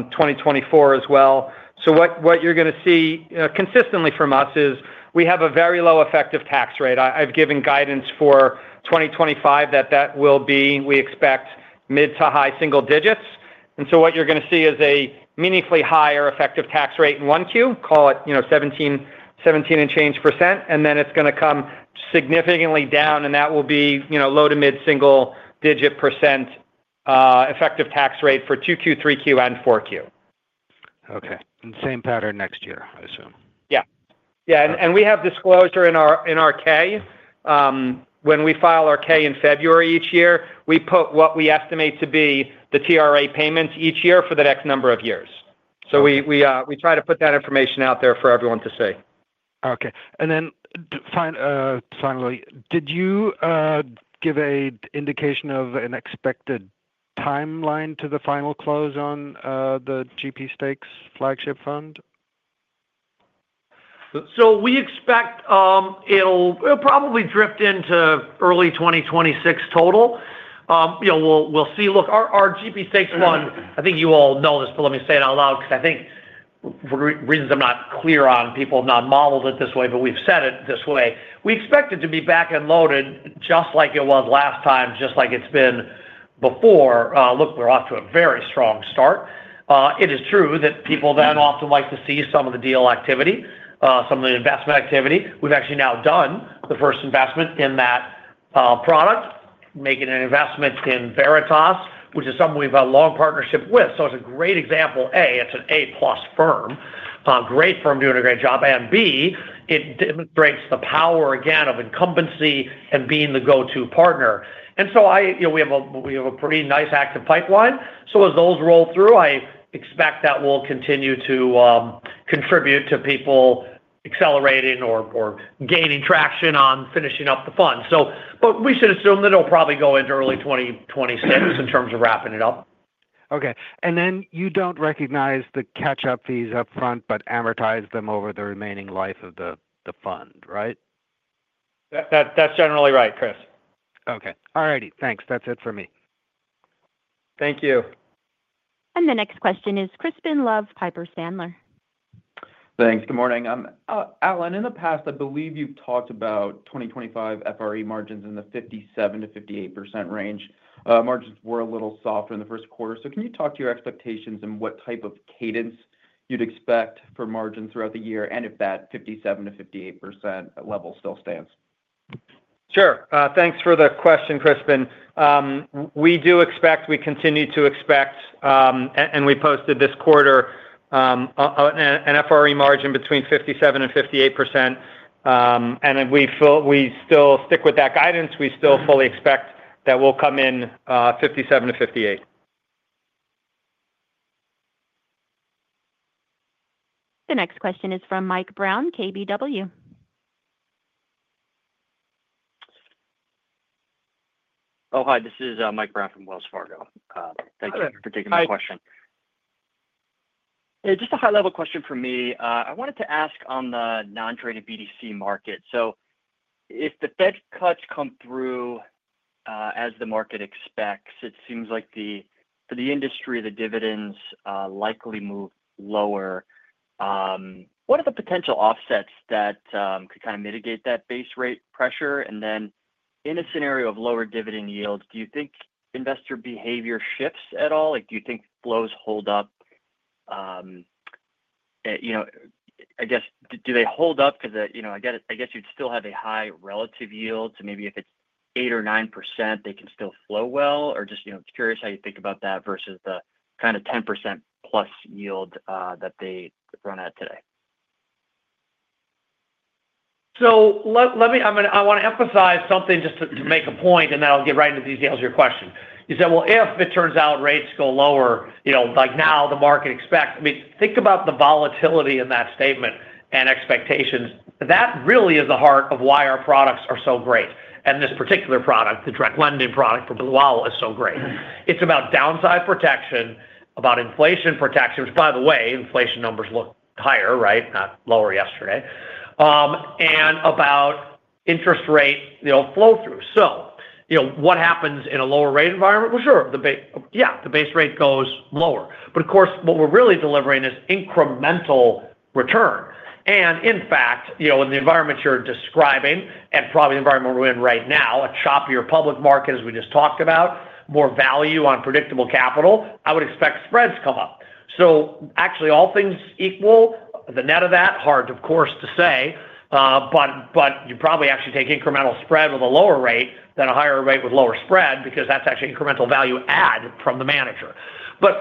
2024 as well. What you are going to see consistently from us is we have a very low effective tax rate. I have given guidance for 2025 that that will be, we expect, mid to high single digits. What you are going to see is a meaningfully higher effective tax rate in 1Q, call it 17% and change. Then it is going to come significantly down. That will be low to mid single-digit % effective tax rate for 2Q, 3Q, and 4Q. Okay. Same pattern next year, I assume? Yeah. Yeah. We have disclosure in our K. When we file our K in February each year, we put what we estimate to be the TRA payments each year for the next number of years. We try to put that information out there for everyone to see. Okay. Finally, did you give an indication of an expected timeline to the final close on the GP stakes flagship fund? We expect it'll probably drift into early 2026 total. We'll see. Look, our GP stakes fund, I think you all know this, but let me say it out loud because I think for reasons I'm not clear on, people have not modeled it this way, but we've said it this way. We expect it to be back and loaded just like it was last time, just like it's been before. Look, we're off to a very strong start. It is true that people then often like to see some of the deal activity, some of the investment activity. We've actually now done the first investment in that product, making an investment in Veritas, which is something we've had a long partnership with. It's a great example. A, it's an A+ firm, great firm doing a great job. B, it demonstrates the power again of incumbency and being the go-to partner. We have a pretty nice active pipeline. As those roll through, I expect that will continue to contribute to people accelerating or gaining traction on finishing up the fund. We should assume that it'll probably go into early 2026 in terms of wrapping it up. Okay. You don't recognize the catch-up fees upfront but amortize them over the remaining life of the fund, right? That's generally right, Chris. Okay. All righty. Thanks. That's it for me. Thank you. The next question is Crispin Love, Piper Sandler. Thanks. Good morning. Alan, in the past, I believe you've talked about 2025 FRE margins in the 57%-58% range. Margins were a little softer in the first quarter. Can you talk to your expectations and what type of cadence you'd expect for margins throughout the year and if that 57%-58% level still stands? Sure. Thanks for the question, Crispin. We do expect, we continue to expect, and we posted this quarter, an FRE margin between 57%-58%. We still stick with that guidance. We still fully expect that we'll come in 57-58%. The next question is from Mike Brown, KBW. Oh, hi. This is Mike Brown from Wells Fargo. Thank you for taking my question. Just a high-level question for me. I wanted to ask on the non-traded BDC market. If the Fed cuts come through as the market expects, it seems like for the industry, the dividends likely move lower. What are the potential offsets that could kind of mitigate that base rate pressure? In a scenario of lower dividend yields, do you think investor behavior shifts at all? Do you think flows hold up? I guess, do they hold up? Because I guess you'd still have a high relative yield. Maybe if it's 8% or 9%, they can still flow well. Just curious how you think about that versus the kind of 10%+ yield that they run at today. I want to emphasize something just to make a point, and then I'll get right into the details of your question. You said, "Well, if it turns out rates go lower like now, the market expects—I mean, think about the volatility in that statement and expectations. That really is the heart of why our products are so great. And this particular product, the direct lending product for Blue Owl, is so great. It's about downside protection, about inflation protection, which, by the way, inflation numbers look higher, right, not lower yesterday, and about interest rate flow-through. What happens in a lower rate environment? Sure. Yeah. The base rate goes lower. Of course, what we're really delivering is incremental return. In fact, in the environment you're describing and probably the environment we're in right now, a choppier public market, as we just talked about, more value on predictable capital, I would expect spreads come up. Actually, all things equal, the net of that, hard, of course, to say. You probably actually take incremental spread with a lower rate than a higher rate with lower spread because that's actually incremental value add from the manager.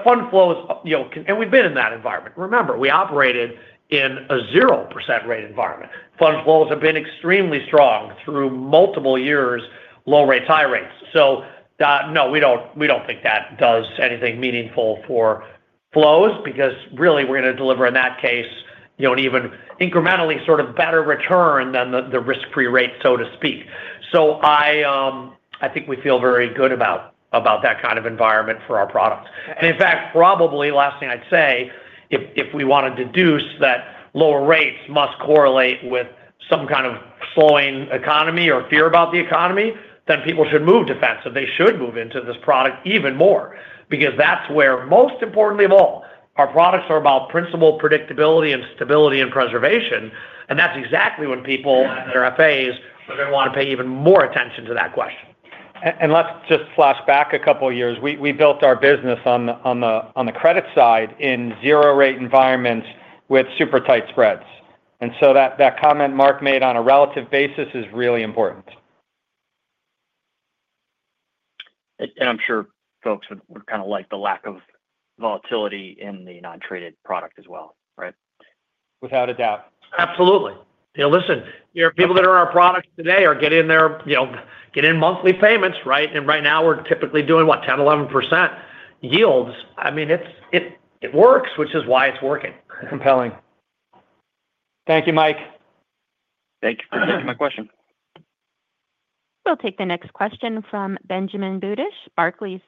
Fund flows and we've been in that environment. Remember, we operated in a 0% rate environment. Fund flows have been extremely strong through multiple years, low rates, high rates. No, we don't think that does anything meaningful for flows because really, we're going to deliver, in that case, an even incrementally sort of better return than the risk-free rate, so to speak. I think we feel very good about that kind of environment for our products. In fact, probably last thing I'd say, if we want to deduce that lower rates must correlate with some kind of slowing economy or fear about the economy, then people should move defensive. They should move into this product even more because that's where, most importantly of all, our products are about principal predictability and stability and preservation. That's exactly when people, their FAs, are going to want to pay even more attention to that question. Let's just flash back a couple of years. We built our business on the credit side in zero-rate environments with super tight spreads. That comment Marck made on a relative basis is really important. I'm sure folks would kind of like the lack of volatility in the non-traded product as well, right? Without a doubt. Absolutely. Listen, people that are in our product today are getting their monthly payments, right? And right now, we're typically doing what, 10%-11% yields. I mean, it works, which is why it's working. Compelling. Thank you, Mike. Thank you for taking my question. We'll take the next question from Benjamin Butish, Barclays.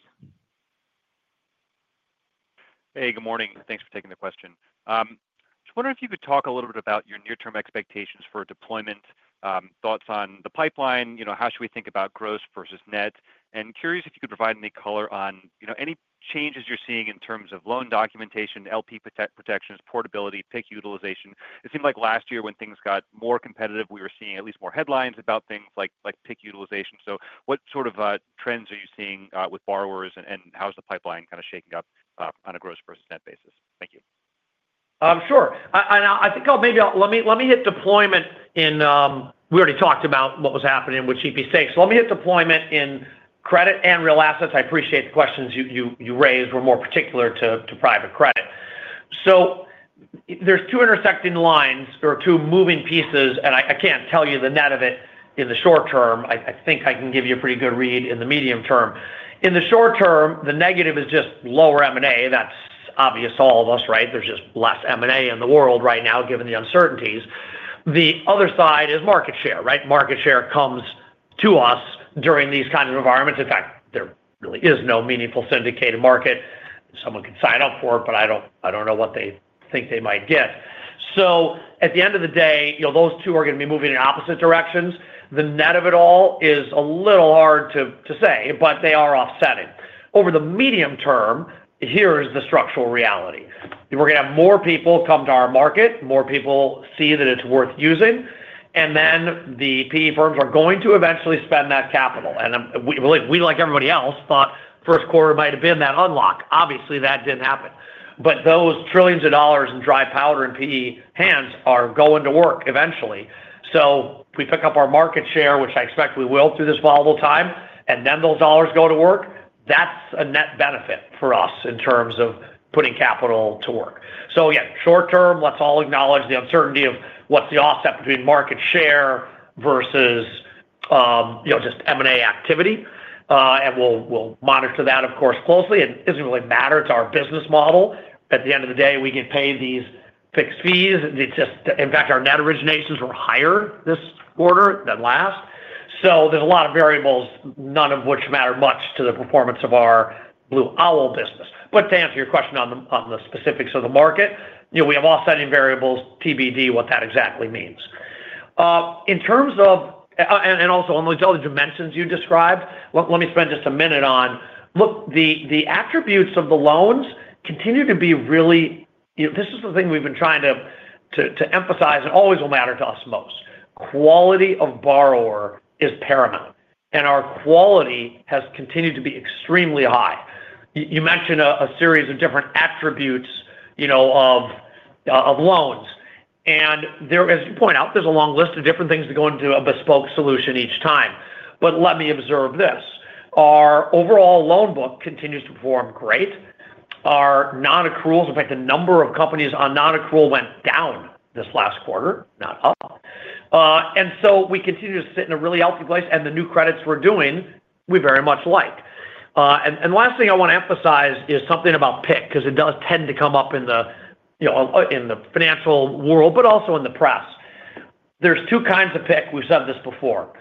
Hey, good morning. Thanks for taking the question. Just wondering if you could talk a little bit about your near-term expectations for deployment, thoughts on the pipeline, how should we think about gross versus net. And curious if you could provide any color on any changes you're seeing in terms of loan documentation, LP protections, portability, PIK utilization. It seemed like last year when things got more competitive, we were seeing at least more headlines about things like PIK utilization. What sort of trends are you seeing with borrowers, and how's the pipeline kind of shaking up on a gross versus net basis? Thank you. Sure. I think maybe let me hit deployment in—we already talked about what was happening with GP stakes. Let me hit deployment in credit and real assets. I appreciate the questions you raised. We're more particular to private credit. There are two intersecting lines or two moving pieces, and I can't tell you the net of it in the short term. I think I can give you a pretty good read in the medium term. In the short term, the negative is just lower M&A. That's obvious to all of us, right? There's just less M&A in the world right now given the uncertainties. The other side is market share, right? Market share comes to us during these kinds of environments. In fact, there really is no meaningful syndicated market. Someone could sign up for it, but I do not know what they think they might get. At the end of the day, those two are going to be moving in opposite directions. The net of it all is a little hard to say, but they are offsetting. Over the medium term, here is the structural reality. We are going to have more people come to our market, more people see that it is worth using, and then the PE firms are going to eventually spend that capital. We, like everybody else, thought first quarter might have been that unlock. Obviously, that did not happen. Those trillions of dollars in dry powder in PE hands are going to work eventually. If we pick up our market share, which I expect we will through this volatile time, and then those dollars go to work, that's a net benefit for us in terms of putting capital to work. Yeah, short term, let's all acknowledge the uncertainty of what's the offset between market share versus just M&A activity. We'll monitor that, of course, closely. It doesn't really matter to our business model. At the end of the day, we get paid these fixed fees. In fact, our net originations were higher this quarter than last. There's a lot of variables, none of which matter much to the performance of our Blue Owl business. To answer your question on the specifics of the market, we have offsetting variables, TBD what that exactly means. In terms of, and also on those other dimensions you described, let me spend just a minute on, look, the attributes of the loans continue to be really this is the thing we've been trying to emphasize and always will matter to us most. Quality of borrower is paramount. And our quality has continued to be extremely high. You mentioned a series of different attributes of loans. And as you point out, there's a long list of different things that go into a bespoke solution each time. Let me observe this. Our overall loan book continues to perform great. Our non-accruals, in fact, the number of companies on non-accrual went down this last quarter, not up. We continue to sit in a really healthy place, and the new credits we're doing, we very much like. The last thing I want to emphasize is something about PIK because it does tend to come up in the financial world, but also in the press. There are two kinds of PIK. We've said this before.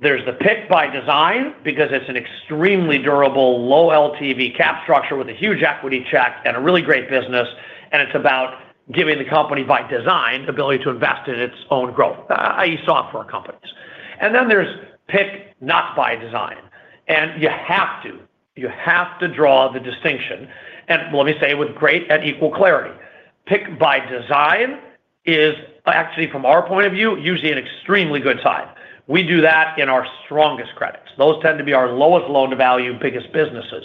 There is the PIK by design because it's an extremely durable, low-LTV cap structure with a huge equity check and a really great business. It's about giving the company by design the ability to invest in its own growth, i.e., software companies. There is PIK not by design. You have to draw the distinction. Let me say it with great and equal clarity. PIK by design is, actually, from our point of view, usually an extremely good sign. We do that in our strongest credits. Those tend to be our lowest loan-to-value, biggest businesses.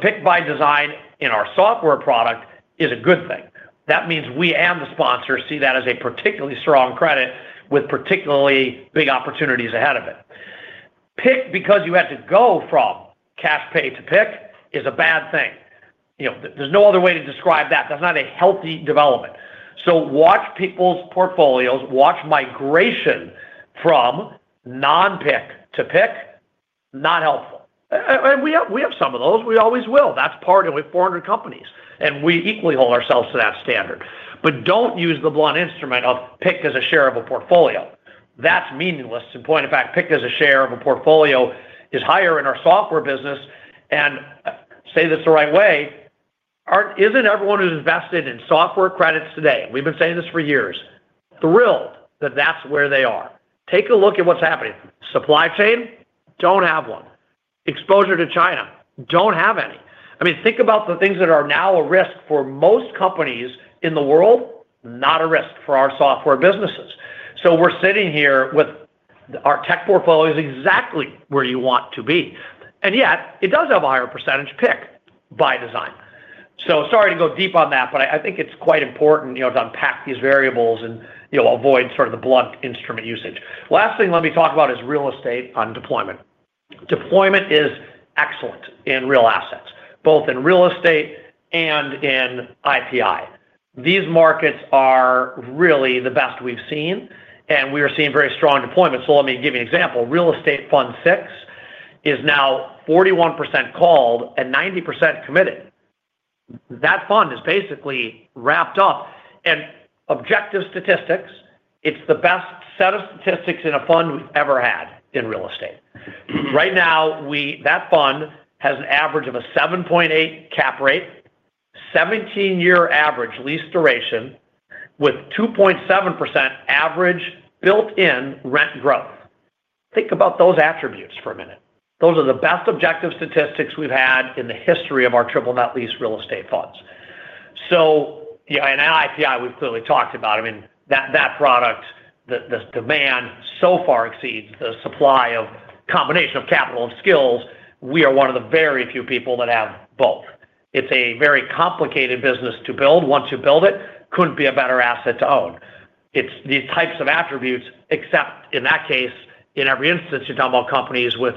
PIK by design in our software product is a good thing. That means we and the sponsor see that as a particularly strong credit with particularly big opportunities ahead of it. PIK, because you had to go from cash pay to PIK, is a bad thing. There is no other way to describe that. That is not a healthy development. Watch people's portfolios. Watch migration from non-PIK to PIK. Not helpful. We have some of those. We always will. That is part of it. We have 400 companies. We equally hold ourselves to that standard. Do not use the blunt instrument of PIK as a share of a portfolio. That is meaningless. In point of fact, PIK as a share of a portfolio is higher in our software business. Say this the right way, is not everyone who is invested in software credits today? We have been saying this for years. Thrilled that that is where they are. Take a look at what is happening. Supply chain? Don't have one. Exposure to China? Don't have any. I mean, think about the things that are now a risk for most companies in the world, not a risk for our software businesses. We're sitting here with our tech portfolios exactly where you want to be. Yet, it does have a higher percentage PIK by design. Sorry to go deep on that, but I think it's quite important to unpack these variables and avoid sort of the blunt instrument usage. Last thing let me talk about is real estate on deployment. Deployment is excellent in real assets, both in real estate and in IPI. These markets are really the best we've seen, and we are seeing very strong deployments. Let me give you an example. Real Estate Fund VI is now 41% called and 90% committed. That fund is basically wrapped up. Objective statistics, it's the best set of statistics in a fund we've ever had in real estate. Right now, that fund has an average of a 7.8% cap rate, 17-year average lease duration with 2.7% average built-in rent growth. Think about those attributes for a minute. Those are the best objective statistics we've had in the history of our triple net lease real estate funds. In IPI, we've clearly talked about, I mean, that product, the demand so far exceeds the supply of combination of capital and skills. We are one of the very few people that have both. It's a very complicated business to build. Once you build it, couldn't be a better asset to own. It's these types of attributes, except in that case, in every instance, you're talking about companies with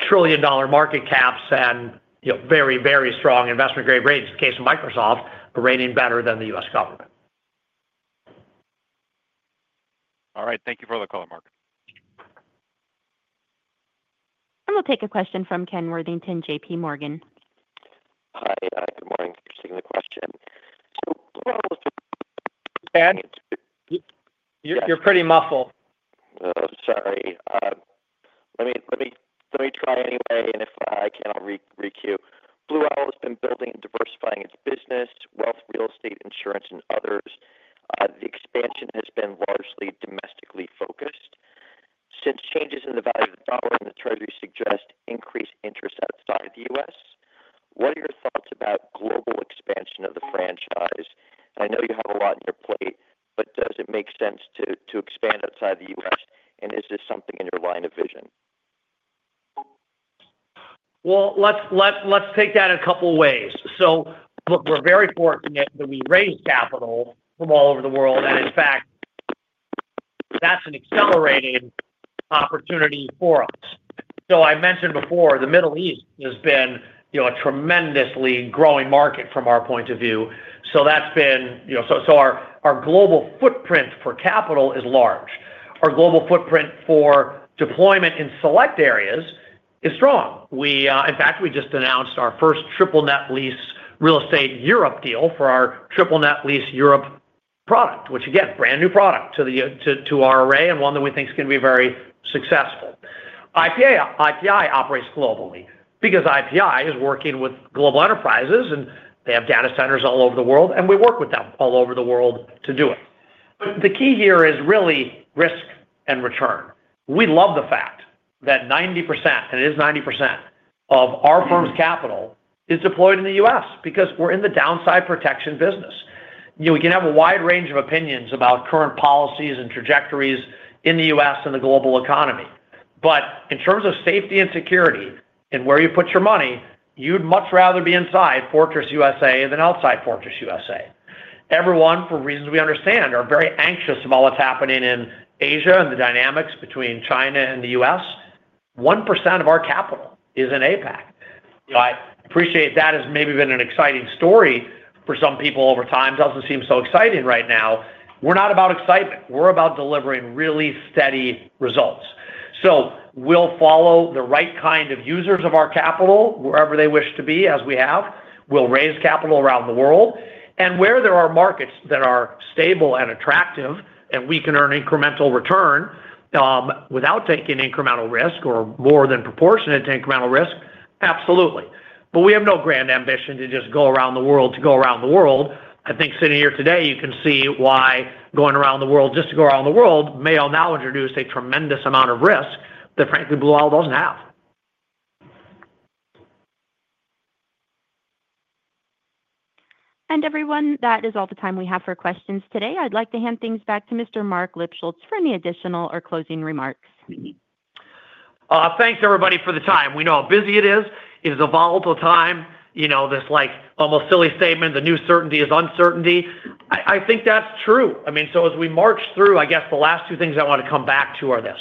trillion-dollar market caps and very, very strong investment-grade rates. In the case of Microsoft, we're rating better than the U.S. government. All right. Thank you for the call, Marc. We'll take a question from Ken Worthington, JP Morgan. Hi. Good morning. Thanks for taking the question. You're pretty muffled. Sorry. Let me try anyway, and if I can, I'll re-queue. Blue Owl has been building and diversifying its business, wealth, real estate, insurance, and others. The expansion has been largely domestically focused. Since changes in the value of the dollar and the treasury suggest increased interest outside the U.S., what are your thoughts about global expansion of the franchise? I know you have a lot on your plate, but does it make sense to expand outside the U.S.? Is this something in your line of vision? Let's take that in a couple of ways. Look, we're very fortunate that we raised capital from all over the world. In fact, that's an accelerating opportunity for us. I mentioned before, the Middle East has been a tremendously growing market from our point of view. That's been, so our global footprint for capital is large. Our global footprint for deployment in select areas is strong. In fact, we just announced our first triple net lease real estate Europe deal for our triple net lease Europe product, which, again, brand new product to our array and one that we think is going to be very successful. IPI operates globally because IPI is working with global enterprises, and they have data centers all over the world, and we work with them all over the world to do it. The key here is really risk and return. We love the fact that 90%, and it is 90%, of our firm's capital is deployed in the U.S. because we're in the downside protection business. We can have a wide range of opinions about current policies and trajectories in the U.S. and the global economy. In terms of safety and security and where you put your money, you'd much rather be inside fortress U.S.A. than outside fortress U.S.A. Everyone, for reasons we understand, are very anxious about what's happening in Asia and the dynamics between China and the U.S. 1% of our capital is in APAC. I appreciate that has maybe been an exciting story for some people over time. It doesn't seem so exciting right now. We're not about excitement. We're about delivering really steady results. We'll follow the right kind of users of our capital wherever they wish to be, as we have. We'll raise capital around the world. Where there are markets that are stable and attractive and we can earn incremental return without taking incremental risk or more than proportionate to incremental risk, absolutely. We have no grand ambition to just go around the world to go around the world. I think sitting here today, you can see why going around the world just to go around the world may now introduce a tremendous amount of risk that, frankly, Blue Owl doesn't have. Everyone, that is all the time we have for questions today. I'd like to hand things back to Mr. Marc Lipschultz for any additional or closing remarks. Thanks, everybody, for the time. We know how busy it is. It is a volatile time. This almost silly statement, the new certainty is uncertainty. I think that's true. I mean, as we march through, I guess the last two things I want to come back to are this.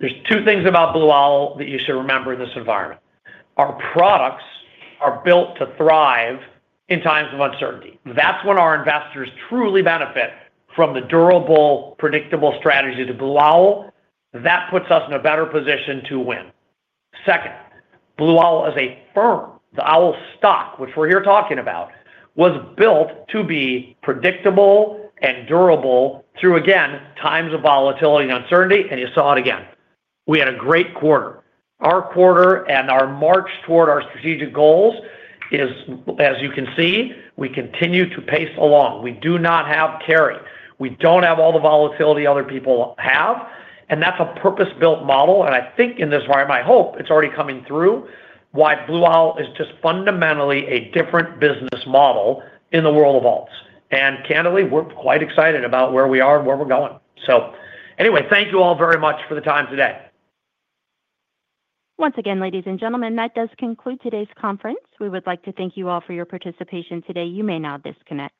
There are two things about Blue Owl that you should remember in this environment. Our products are built to thrive in times of uncertainty. That's when our investors truly benefit from the durable, predictable strategy of Blue Owl. That puts us in a better position to win. Second, Blue Owl as a firm, the Owl stock, which we're here talking about, was built to be predictable and durable through, again, times of volatility and uncertainty. You saw it again. We had a great quarter. Our quarter and our march toward our strategic goals is, as you can see, we continue to pace along. We do not have carry. We don't have all the volatility other people have. That's a purpose-built model. I think in this room, I hope it's already coming through, why Blue Owl is just fundamentally a different business model in the world of alts. Candidly, we're quite excited about where we are and where we're going. Thank you all very much for the time today. Once again, ladies and gentlemen, that does conclude today's conference. We would like to thank you all for your participation today. You may now disconnect.